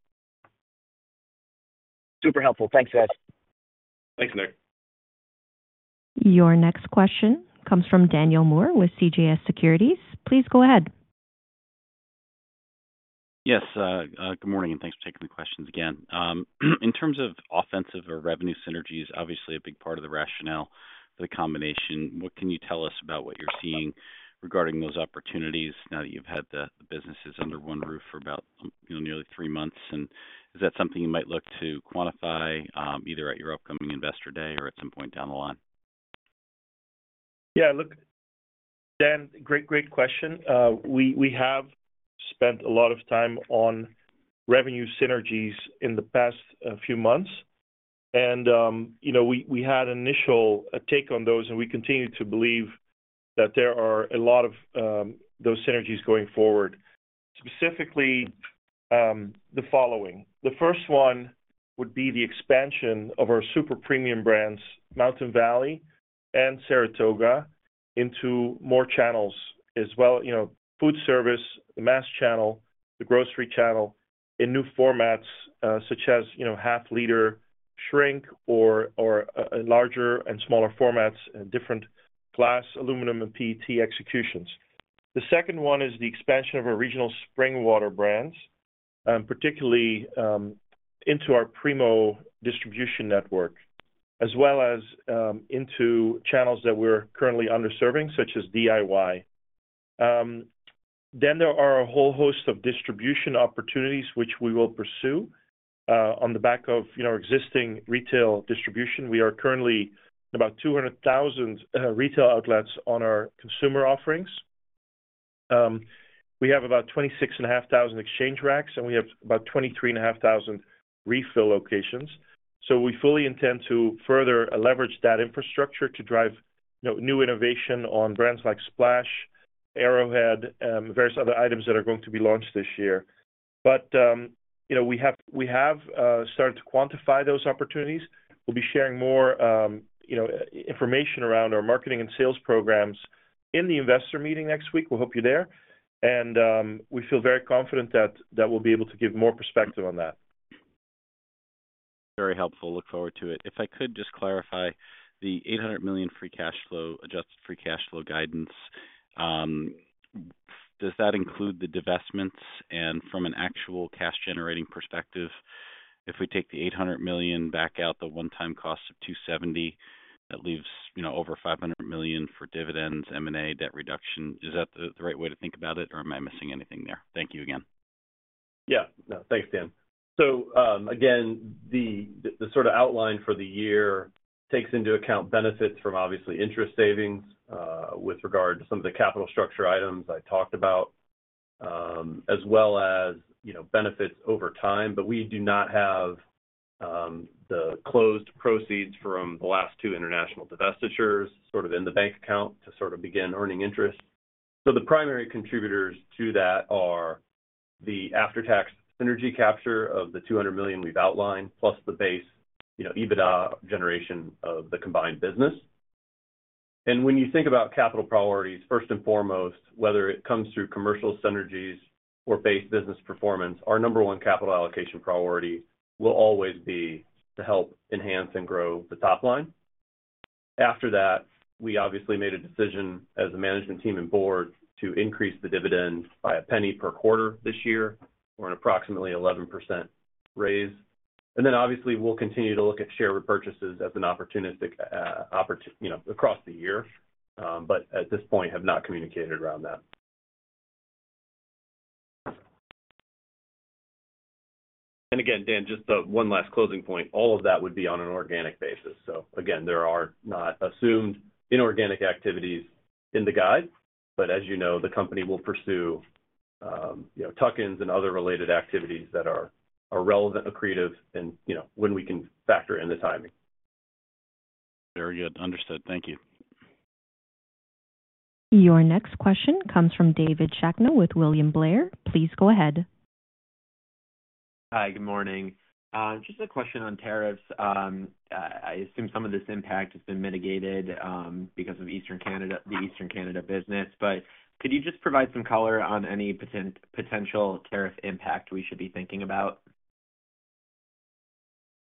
Speaker 5: Super helpful. Thanks, guys.
Speaker 3: Thanks, Nik.
Speaker 1: Your next question comes from Daniel Moore with CJS Securities. Please go ahead.
Speaker 6: Yes. Good morning, and thanks for taking the questions again. In terms of offensive or revenue synergies, obviously a big part of the rationale for the combination. What can you tell us about what you're seeing regarding those opportunities now that you've had the businesses under one roof for about nearly three months? And is that something you might look to quantify either at your upcoming Investor Day or at some point down the line?
Speaker 3: Yeah. Look, Dan, great, great question. We have spent a lot of time on revenue synergies in the past few months. You know, we had an initial take on those, and we continue to believe that there are a lot of those synergies going forward. Specifically, the following. The first one would be the expansion of our super premium brands, Mountain Valley and Saratoga, into more channels as well. You know, food service, the mass channel, the grocery channel, in new formats such as, you know, half-liter shrink or larger and smaller formats and different glass, aluminum, and PET executions. The second one is the expansion of our regional spring water brands, particularly into our Primo distribution network, as well as into channels that we're currently underserving, such as DIY. There are a whole host of distribution opportunities, which we will pursue on the back of, you know, existing retail distribution. We are currently about 200,000 retail outlets on our consumer offerings. We have about 26,500 exchange racks, and we have about 23,500 refill locations. So we fully intend to further leverage that infrastructure to drive new innovation on brands like Splash, Arrowhead, and various other items that are going to be launched this year. But, you know, we have started to quantify those opportunities. We'll be sharing more, you know, information around our marketing and sales programs in the investor meeting next week. We'll hope you're there. And we feel very confident that we'll be able to give more perspective on that.
Speaker 6: Very helpful. Look forward to it. If I could just clarify the $800 million free cash flow, adjusted free cash flow guidance, does that include the divestments? And from an actual cash-generating perspective, if we take the $800 million back out, the one-time cost of $270 million, that leaves, you know, over $500 million for dividends, M&A, debt reduction. Is that the right way to think about it, or am I missing anything there? Thank you again.
Speaker 4: Yeah. No. Thanks, Dan. So again, the sort of outline for the year takes into account benefits from obviously interest savings with regard to some of the capital structure items I talked about, as well as, you know, benefits over time. But we do not have the closed proceeds from the last two international divestitures sort of in the bank account to sort of begin earning interest. So the primary contributors to that are the after-tax synergy capture of the $200 million we've outlined, plus the base, you know, EBITDA generation of the combined business. And when you think about capital priorities, first and foremost, whether it comes through commercial synergies or base business performance, our number one capital allocation priority will always be to help enhance and grow the top line. After that, we obviously made a decision as a management team and board to increase the dividend by a penny per quarter this year. We're at approximately 11% raise. And then obviously, we'll continue to look at share repurchases as an opportunistic opportunity, you know, across the year, but at this point have not communicated around that. And again, Dan, just one last closing point. All of that would be on an organic basis. So again, there are not assumed inorganic activities in the guide, but as you know, the company will pursue, you know, tuck-ins and other related activities that are relevant, accretive, and, you know, when we can factor in the timing.
Speaker 6: Very good. Understood. Thank you.
Speaker 1: Your next question comes from David Shakno with William Blair. Please go ahead.
Speaker 7: Hi. Good morning. Just a question on tariffs. I assume some of this impact has been mitigated because of the Eastern Canada business. Could you just provide some color on any potential tariff impact we should be thinking about?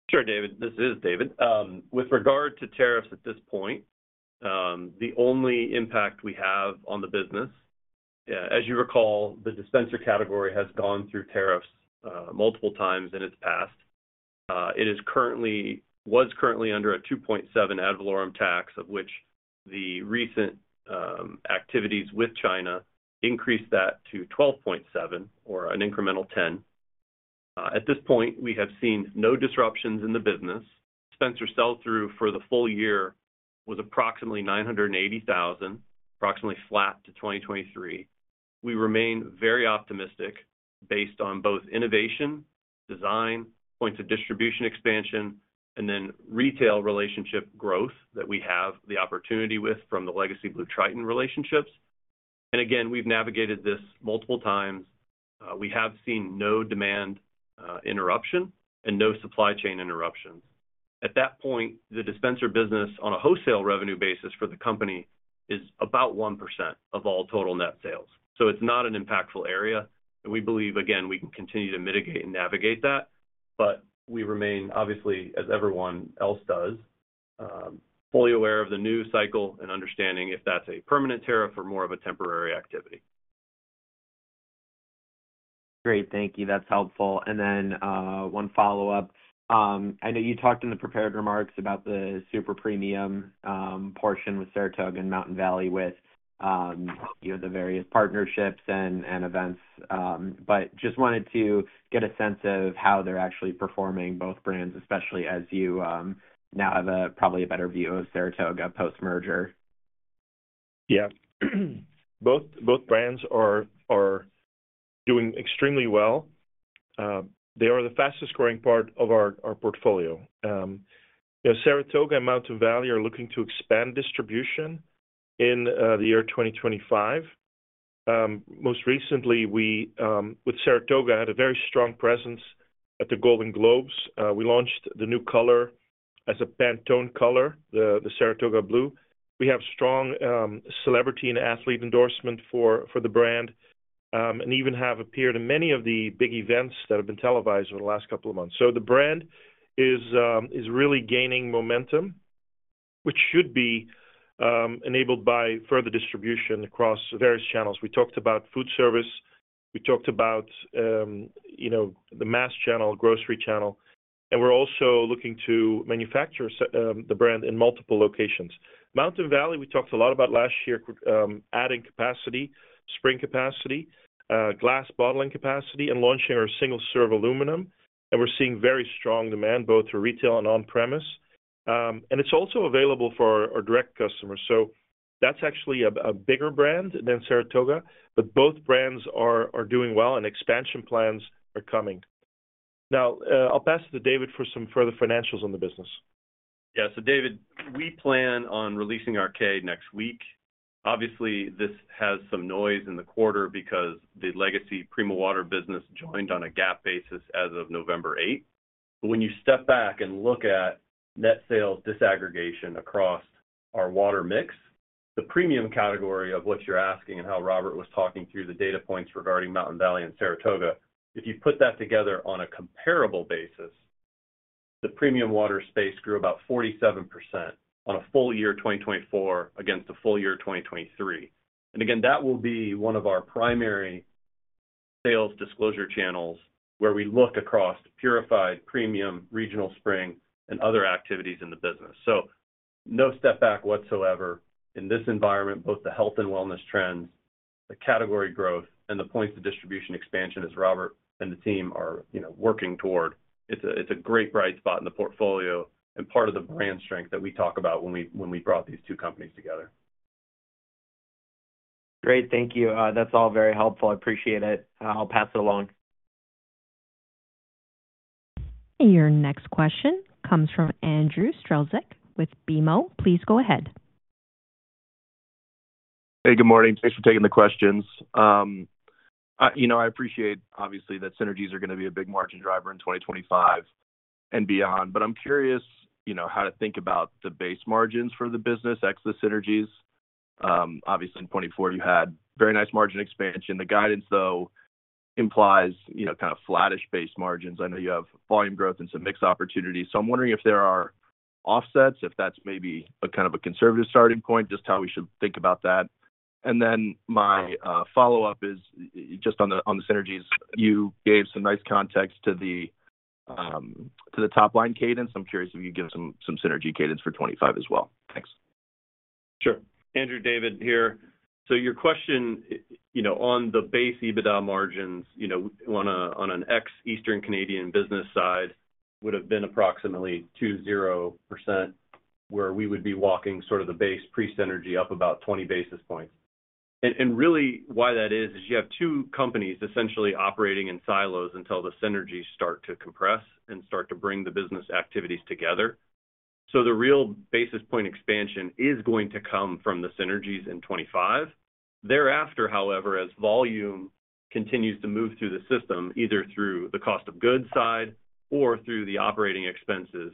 Speaker 4: Sure, David. This is David. With regard to tariffs at this point, the only impact we have on the business, as you recall, the dispenser category has gone through tariffs multiple times in its past. Was currently under a 2.7 ad valorem tax, of which the recent activities with China increased that to 12.7 or an incremental 10. At this point, we have seen no disruptions in the business. Dispenser sell-through for the full year was approximately 980,000, approximately flat to 2023. We remain very optimistic based on both innovation, design, points of distribution expansion, and then retail relationship growth that we have the opportunity with from theLlegacy BlueTriton relationships. And again, we've navigated this multiple times. We have seen no demand interruption and no supply chain interruptions. At that point, the dispenser business on a wholesale revenue basis for the company is about 1% of all total net sales. So it's not an impactful area. And we believe, again, we can continue to mitigate and navigate that. But we remain, obviously, as everyone else does, fully aware of the new cycle and understanding if that's a permanent tariff or more of a temporary activity.
Speaker 7: Great. Thank you. That's helpful. And then one follow-up. I know you talked in the prepared remarks about the super premium portion with Saratoga and Mountain Valley with, you know, the various partnerships and events. But just wanted to get a sense of how they're actually performing, both brands, especially as you now have probably a better view of Saratoga post-merger.
Speaker 3: Yeah. Both brands are doing extremely well. They are the fastest-growing part of our portfolio. Saratoga and Mountain Valley are looking to expand distribution in the year 2025. Most recently, with Saratoga, had a very strong presence at the Golden Globes. We launched the new color as a Pantone color, the Saratoga Blue. We have strong celebrity and athlete endorsement for the brand and even have appeared in many of the big events that have been televised over the last couple of months, so the brand is really gaining momentum, which should be enabled by further distribution across various channels. We talked about food service. We talked about, you know, the mass channel, grocery channel, and we're also looking to manufacture the brand in multiple locations. Mountain Valley, we talked a lot about last year, adding capacity, spring capacity, glass bottling capacity, and launching our single-serve aluminum. We're seeing very strong demand both for retail and on-premise. It's also available for our direct customers. That's actually a bigger brand than Saratoga, but both brands are doing well, and expansion plans are coming. Now, I'll pass it to David for some further financials on the business.
Speaker 4: Yeah, David. We plan on releasing our 10-Q next week. Obviously, this has some noise in the quarter because the legacy Primo Water business joined on a GAAP basis as of 8 November. But when you step back and look at net sales disaggregation across our water mix, the premium category of what you're asking and how Robbert was talking through the data points regarding Mountain Valley and Saratoga, if you put that together on a comparable basis, the premium water space grew about 47% on a full year 2024 against a full year 2023. Again, that will be one of our primary sales disclosure channels where we look across purified, premium, regional spring, and other activities in the business. So no step back whatsoever in this environment, both the health and wellness trends, the category growth, and the points of distribution expansion as Robbert and the team are, you know, working toward. It's a great bright spot in the portfolio and part of the brand strength that we talk about when we brought these two companies together.
Speaker 7: Great. Thank you. That's all very helpful. I appreciate it. I'll pass it along.
Speaker 1: Your next question comes from Andrew Strelzik with BMO. Please go ahead.
Speaker 8: Hey, good morning. Thanks for taking the questions. You know, I appreciate, obviously, that synergies are going to be a big margin driver in 2025 and beyond. But I'm curious, you know, how to think about the base margins for the business ex synergies. Obviously, in 2024, you had very nice margin expansion. The guidance, though, implies, you know, kind of flattish base margins. I know you have volume growth and some mixed opportunities. So I'm wondering if there are offsets, if that's maybe a kind of a conservative starting point, just how we should think about that. And then my follow-up is just on the synergies, you gave some nice context to the top line cadence. I'm curious if you can give some synergy cadence for 2025 as well. Thanks.
Speaker 4: Sure. Andrew, David here. So your question, you know, on the base EBITDA margins, you know, on an ex-Eastern Canada business side would have been approximately 20%, where we would be walking sort of the base pre-synergy up about 20 basis points. Really why that is, is you have two companies essentially operating in silos until the synergies start to compress and start to bring the business activities together. The real basis point expansion is going to come from the synergies in 2025. Thereafter, however, as volume continues to move through the system, either through the cost of goods side or through the operating expenses,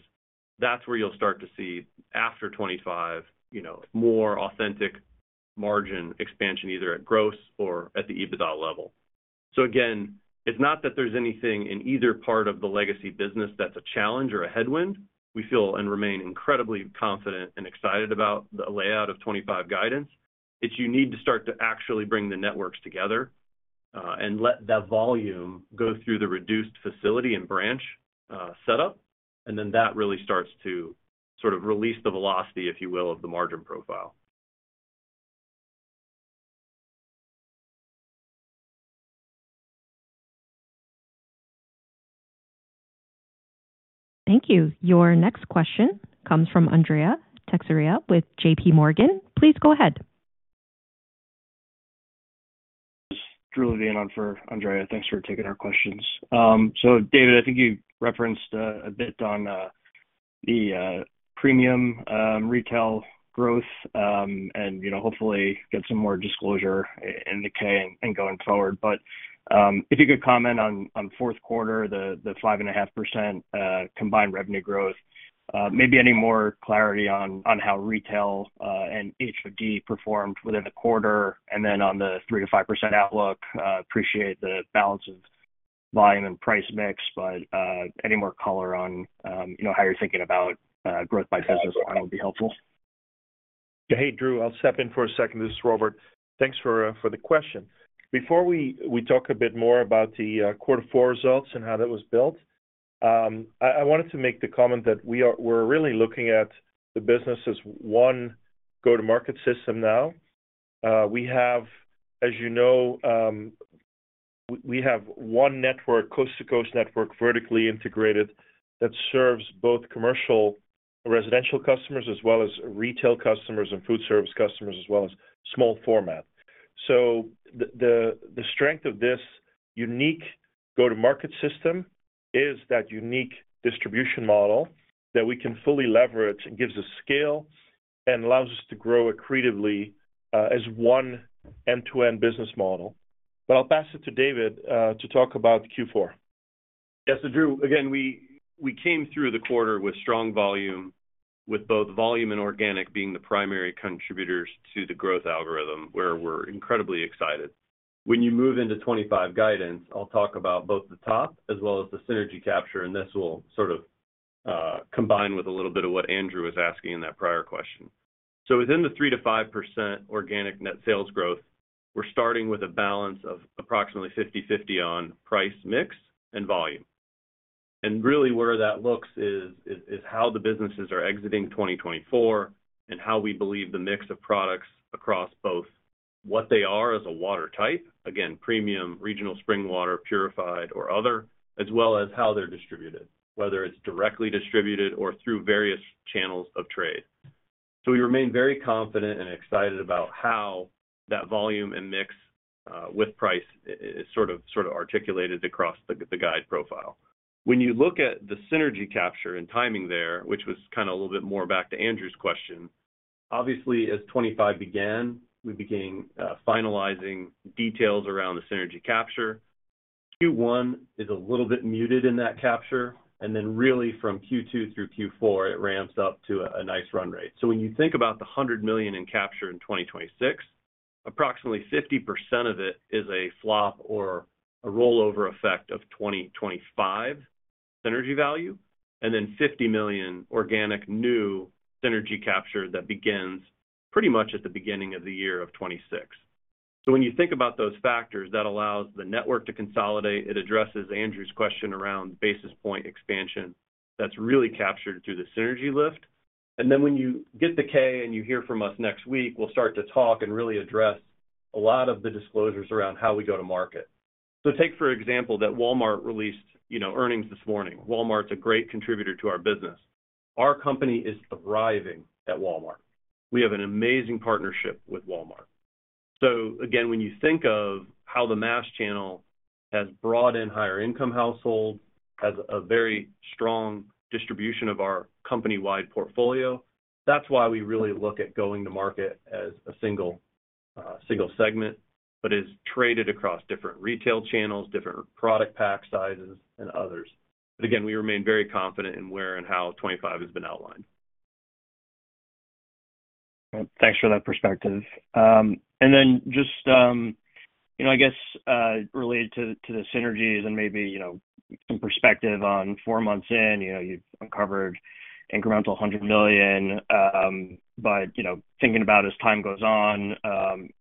Speaker 4: that's where you'll start to see after 2025, you know, more authentic margin expansion either at gross or at the EBITDA level. Again, it's not that there's anything in either part of the legacy business that's a challenge or a headwind. We feel and remain incredibly confident and excited about the layout of 2025 guidance. It's you need to start to actually bring the networks together and let that volume go through the reduced facility and branch setup. And then that really starts to sort of release the velocity, if you will, of the margin profile.
Speaker 1: Thank you. Your next question comes from Andrea Teixeira with J.P. Morgan. Please go ahead. Thanks, Julian, for Andrea. Thanks for taking our questions. So David, I think you referenced a bit on the premium retail growth and, you know, hopefully get some more disclosure in the K and going forward. But if you could comment on Q4, the 5.5% combined revenue growth, maybe any more clarity on how retail and HOD performed within the quarter and then on the 3% to 5% outlook. Appreciate the balance of volume and price mix, but any more color on, you know, how you're thinking about growth by business line would be helpful.
Speaker 3: Hey, Julian, I'll step in for a second. This is Robbert. Thanks for the question. Before we talk a bit more about the quarter four results and how that was built, I wanted to make the comment that we were really looking at the business as one go-to-market system now. We have, as you know, we have one network, coast-to-coast network vertically integrated that serves both commercial residential customers as well as retail customers and food service customers as well as small format. So the strength of this unique go-to-market system is that unique distribution model that we can fully leverage and gives us scale and allows us to grow accretively as one end-to-end business model. But I'll pass it to David to talk about Q4.
Speaker 4: Yes. So Julian, again, we came through the quarter with strong volume, with both volume and organic being the primary contributors to the growth algorithm where we're incredibly excited. When you move into 2025 guidance, I'll talk about both the top as well as the synergy capture. And this will sort of combine with a little bit of what Andrew was asking in that prior question. So within the 3% to 5% organic net sales growth, we're starting with a balance of approximately 50/50 on price mix and volume. And really where that looks is how the businesses are exiting 2024 and how we believe the mix of products across both what they are as a water type, again, premium, regional spring water, purified, or other, as well as how they're distributed, whether it's directly distributed or through various channels of trade. So we remain very confident and excited about how that volume and mix with price is sort of articulated across the guide profile. When you look at the synergy capture and timing there, which was kind of a little bit more back to Andrew's question, obviously as 2025 began, we began finalizing details around the synergy capture. Q1 is a little bit muted in that capture. And then really from Q2 through Q4, it ramps up to a nice run rate. So when you think about the $100 million in capture in 2026, approximately 50% of it is a flop or a rollover effect of 2025 synergy value, and then $50 million organic new synergy capture that begins pretty much at the beginning of the year of 2026. So when you think about those factors, that allows the network to consolidate. It addresses Andrew's question around basis point expansion that's really captured through the synergy lift. And then when you get the K and you hear from us next week, we'll start to talk and really address a lot of the disclosures around how we go to market. So take for example that Walmart released, you know, earnings this morning. Walmart's a great contributor to our business. Our company is thriving at Walmart. We have an amazing partnership with Walmart. So again, when you think of how the mass channel has brought in higher-income households, has a very strong distribution of our company-wide portfolio, that's why we really look at going to market as a single segment, but is traded across different retail channels, different product pack sizes, and others. But again, we remain very confident in where and how 2025 has been outlined. Thanks for that perspective. And then just, you know, I guess related to the synergies and maybe, you know, some perspective on four months in, you know, you've uncovered incremental $100 million. You know, thinking about as time goes on,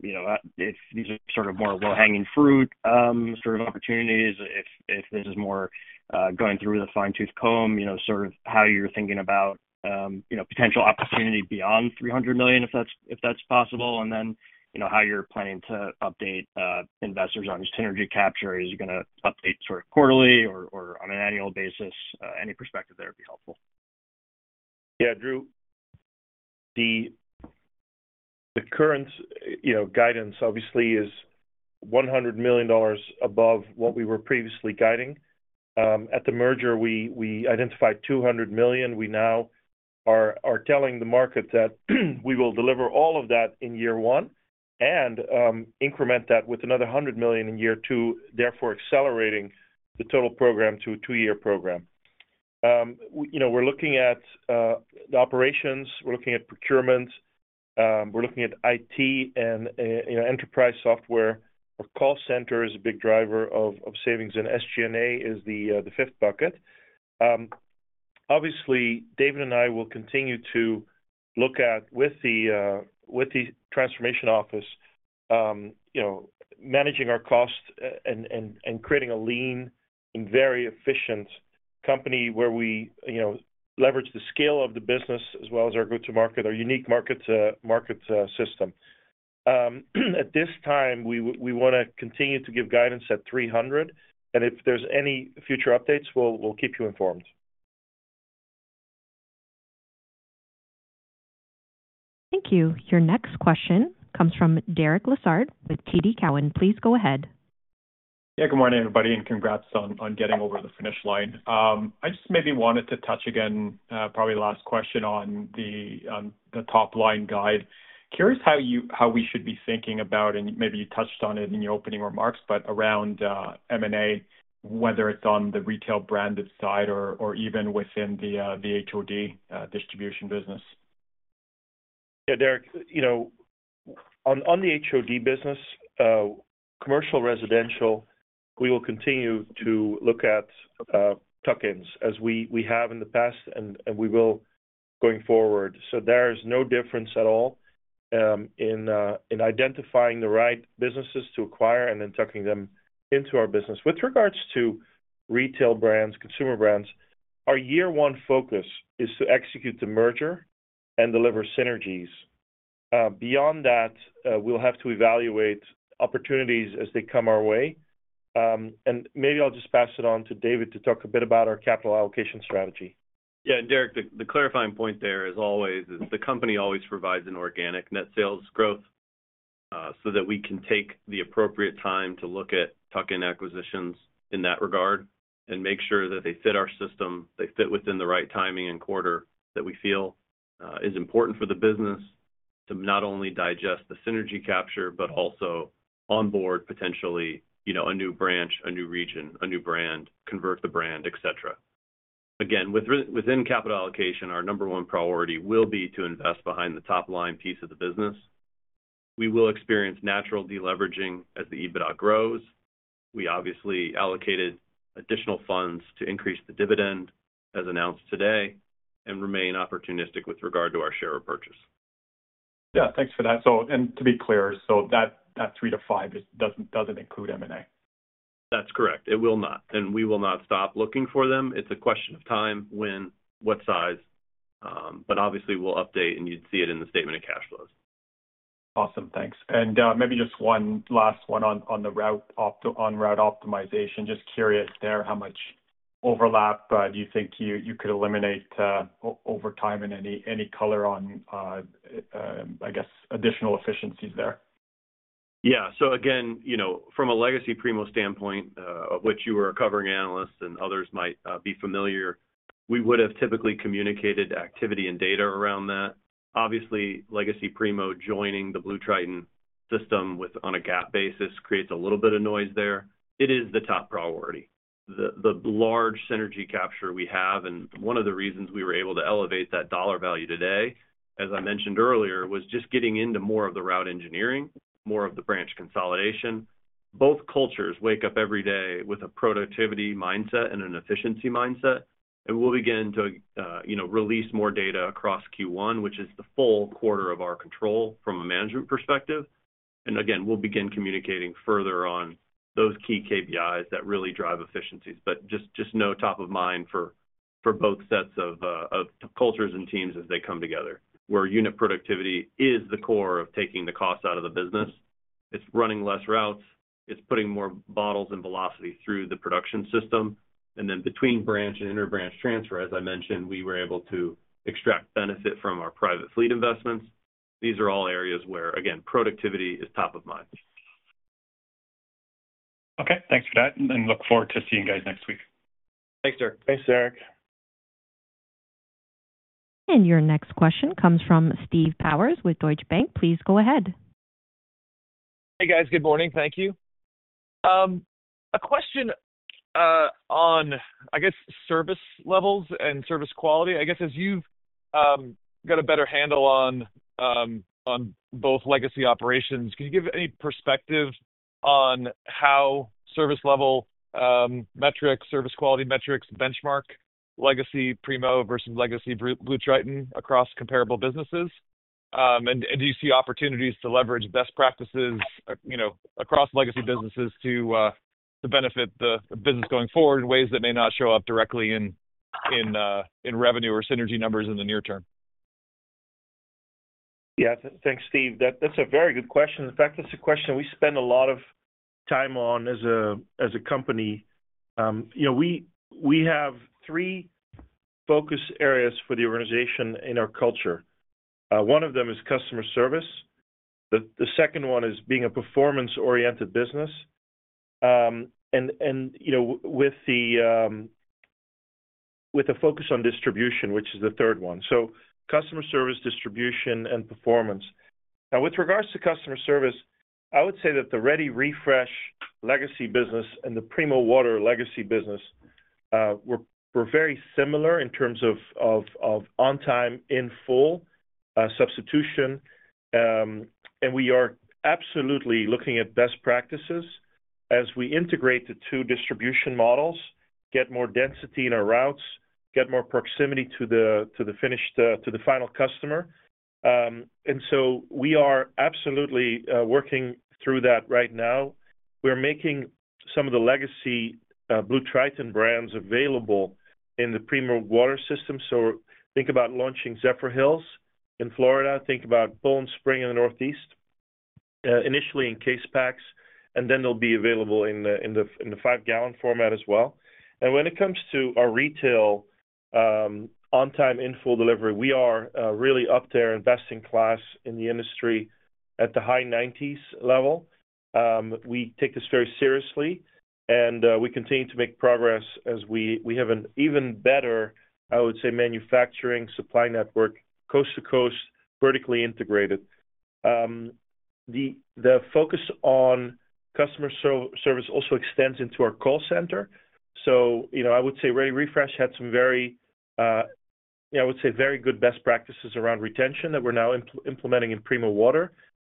Speaker 4: you know, if these are sort of more low-hanging fruit sort of opportunities, if this is more going through the fine-tooth comb, you know, sort of how you're thinking about, you know, potential opportunity beyond $300 million if that's possible. And then, you know, how you're planning to update investors on synergy capture. Are you going to update sort of quarterly or on an annual basis? Any perspective there would be helpful.
Speaker 3: Yeah. The current, you know, guidance obviously is $100 million above what we were previously guiding. At the merger, we identified $200 million. We now are telling the market that we will deliver all of that in year one and increment that with another $100 million in year two, therefore accelerating the total program to a two-year program. You know, we're looking at the operations. We're looking at procurement. We're looking at IT and enterprise software, our call center is a big driver of savings. And SG&A is the fifth bucket. Obviously, David and I will continue to look at with the transformation office, you know, managing our costs and creating a lean and very efficient company where we, you know, leverage the scale of the business as well as our go-to-market, our unique market system. At this time, we want to continue to give guidance at $300 million. And if there's any future updates, we'll keep you informed.
Speaker 1: Thank you. Your next question comes from Derek Lessard with TD Cowen. Please go ahead.
Speaker 9: Yeah, good morning, everybody, and congrats on getting over the finish line. I just maybe wanted to touch again, probably last question on the top line guide. Curious how we should be thinking about, and maybe you touched on it in your opening remarks, but around M&A, whether it's on the retail branded side or even within the HOD distribution business.
Speaker 3: Yeah, Derek, you know, on the HOD business, commercial residential, we will continue to look at tuck-ins as we have in the past and we will going forward. So there's no difference at all in identifying the right businesses to acquire and then tucking them into our business. With regards to retail brands, consumer brands, our year-one focus is to execute the merger and deliver synergies. Beyond that, we'll have to evaluate opportunities as they come our way. Maybe I'll just pass it on to David to talk a bit about our capital allocation strategy.
Speaker 4: Yeah, Derek, the clarifying point there is always the company always provides an organic net sales growth so that we can take the appropriate time to look at tuck-in acquisitions in that regard and make sure that they fit our system, they fit within the right timing and quarter that we feel is important for the business to not only digest the synergy capture, but also onboard potentially, you know, a new branch, a new region, a new brand, convert the brand, et cetera. Again, within capital allocation, our number one priority will be to invest behind the top line piece of the business. We will experience natural deleveraging as the EBITDA grows. We obviously allocated additional funds to increase the dividend as announced today and remain opportunistic with regard to our share repurchase.
Speaker 9: Yeah, thanks for that. So, and to be clear, so that three to five doesn't include M&A?
Speaker 4: That's correct. It will not. And we will not stop looking for them. It's a question of time, when, what size. But obviously, we'll update and you'd see it in the statement of cash flows.
Speaker 9: Awesome. Thanks. And maybe just one last one on the route optimization. Just curious there, how much overlap do you think you could eliminate over time and any color on, I guess, additional efficiencies there?
Speaker 4: Yeah. So again, you know, from a legacy Primo standpoint, of which you were a covering analyst and others might be familiar, we would have typically communicated activity and data around that. Obviously, legacy Primo joining the BlueTriton system on a GAAP basis creates a little bit of noise there. It is the top priority. The large synergy capture we have, and one of the reasons we were able to elevate that dollar value today, as I mentioned earlier, was just getting into more of the route engineering, more of the branch consolidation. Both cultures wake up every day with a productivity mindset and an efficiency mindset, and we'll begin to, you know, release more data across Q1, which is the full quarter of our control from a management perspective, and again, we'll begin communicating further on those key KPIs that really drive efficiencies, but just know top of mind for both sets of cultures and teams as they come together, where unit productivity is the core of taking the cost out of the business. It's running less routes. It's putting more bottles and velocity through the production system. And then between branch and interbranch transfer, as I mentioned, we were able to extract benefit from our private fleet investments. These are all areas where, again, productivity is top of mind.
Speaker 9: Okay. Thanks for that. And look forward to seeing you guys next week.
Speaker 3: Thanks, Derek.
Speaker 4: Thanks, Derek.
Speaker 1: And your next question comes from Steve Powers with Deutsche Bank. Please go ahead.
Speaker 10: Hey, guys. Good morning. Thank you. A question on, I guess, service levels and service quality. I guess as you've got a better handle on both legacy operations, can you give any perspective on how service level metrics, service quality metrics, benchmark legacy Primo versus legacy BlueTriton across comparable businesses? And do you see opportunities to leverage best practices, you know, across legacy businesses to benefit the business going forward in ways that may not show up directly in revenue or synergy numbers in the near term?
Speaker 3: Yeah. Thanks, Steve. That's a very good question. In fact, that's a question we spend a lot of time on as a company. You know, we have three focus areas for the organization in our culture. One of them is customer service. The second one is being a performance-oriented business. And, you know, with the focus on distribution, which is the third one. So customer service, distribution, and performance. Now, with regards to customer service, I would say that the ReadyRefresh legacy business and the Primo Water legacy business were very similar in terms of on-time, in-full substitution. We are absolutely looking at best practices as we integrate the two distribution models, get more density in our routes, get more proximity to the final customer. So we are absolutely working through that right now. We are making some of the legacy BlueTriton brands available in the Primo water system. Think about launching Zephyrhills in Florida. Think about Poland Spring in the Northeast, initially in case packs, and then they will be available in the five-gallon format as well. When it comes to our retail on-time, in-full delivery, we are really up there in best-in-class in the industry at the high 90s level. We take this very seriously, and we continue to make progress as we have an even better, I would say, manufacturing supply network coast to coast, vertically integrated. The focus on customer service also extends into our call center. So, you know, I would say ReadyRefresh had some very, I would say, very good best practices around retention that we're now implementing in Primo Water.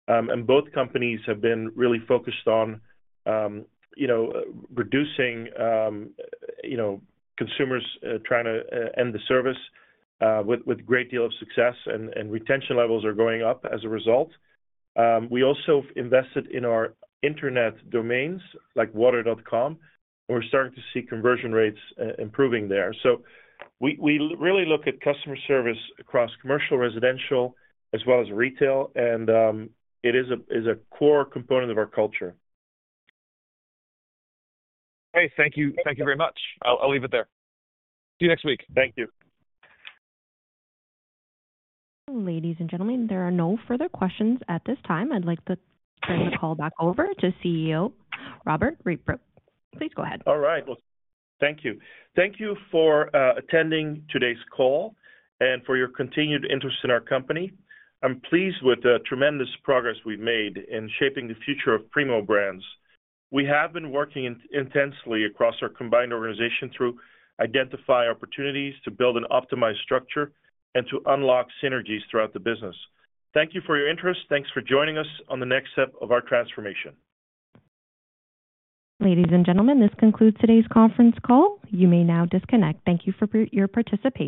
Speaker 3: And both companies have been really focused on, you know, reducing, you know, consumers trying to end the service with a great deal of success, and retention levels are going up as a result. We also invested in our internet domains like water.com, and we're starting to see conversion rates improving there. So we really look at customer service across commercial, residential, as well as retail, and it is a core component of our culture.
Speaker 10: Okay. Thank you. Thank you very much. I'll leave it there. See you next week. Thank you.
Speaker 1: Ladies and gentlemen, there are no further questions at this time. I'd like to turn the call back over to CEO Robbert Rietbroek. Please go ahead.
Speaker 3: All right. Thank you. Thank you for attending today's call and for your continued interest in our company. I'm pleased with the tremendous progress we've made in shaping the future of Primo Brands. We have been working intensely across our combined organization through identifying opportunities to build an optimized structure and to unlock synergies throughout the business. Thank you for your interest. Thanks for joining us on the next step of our transformation.
Speaker 1: Ladies and gentlemen, this concludes today's conference call. You may now disconnect. Thank you for your participation.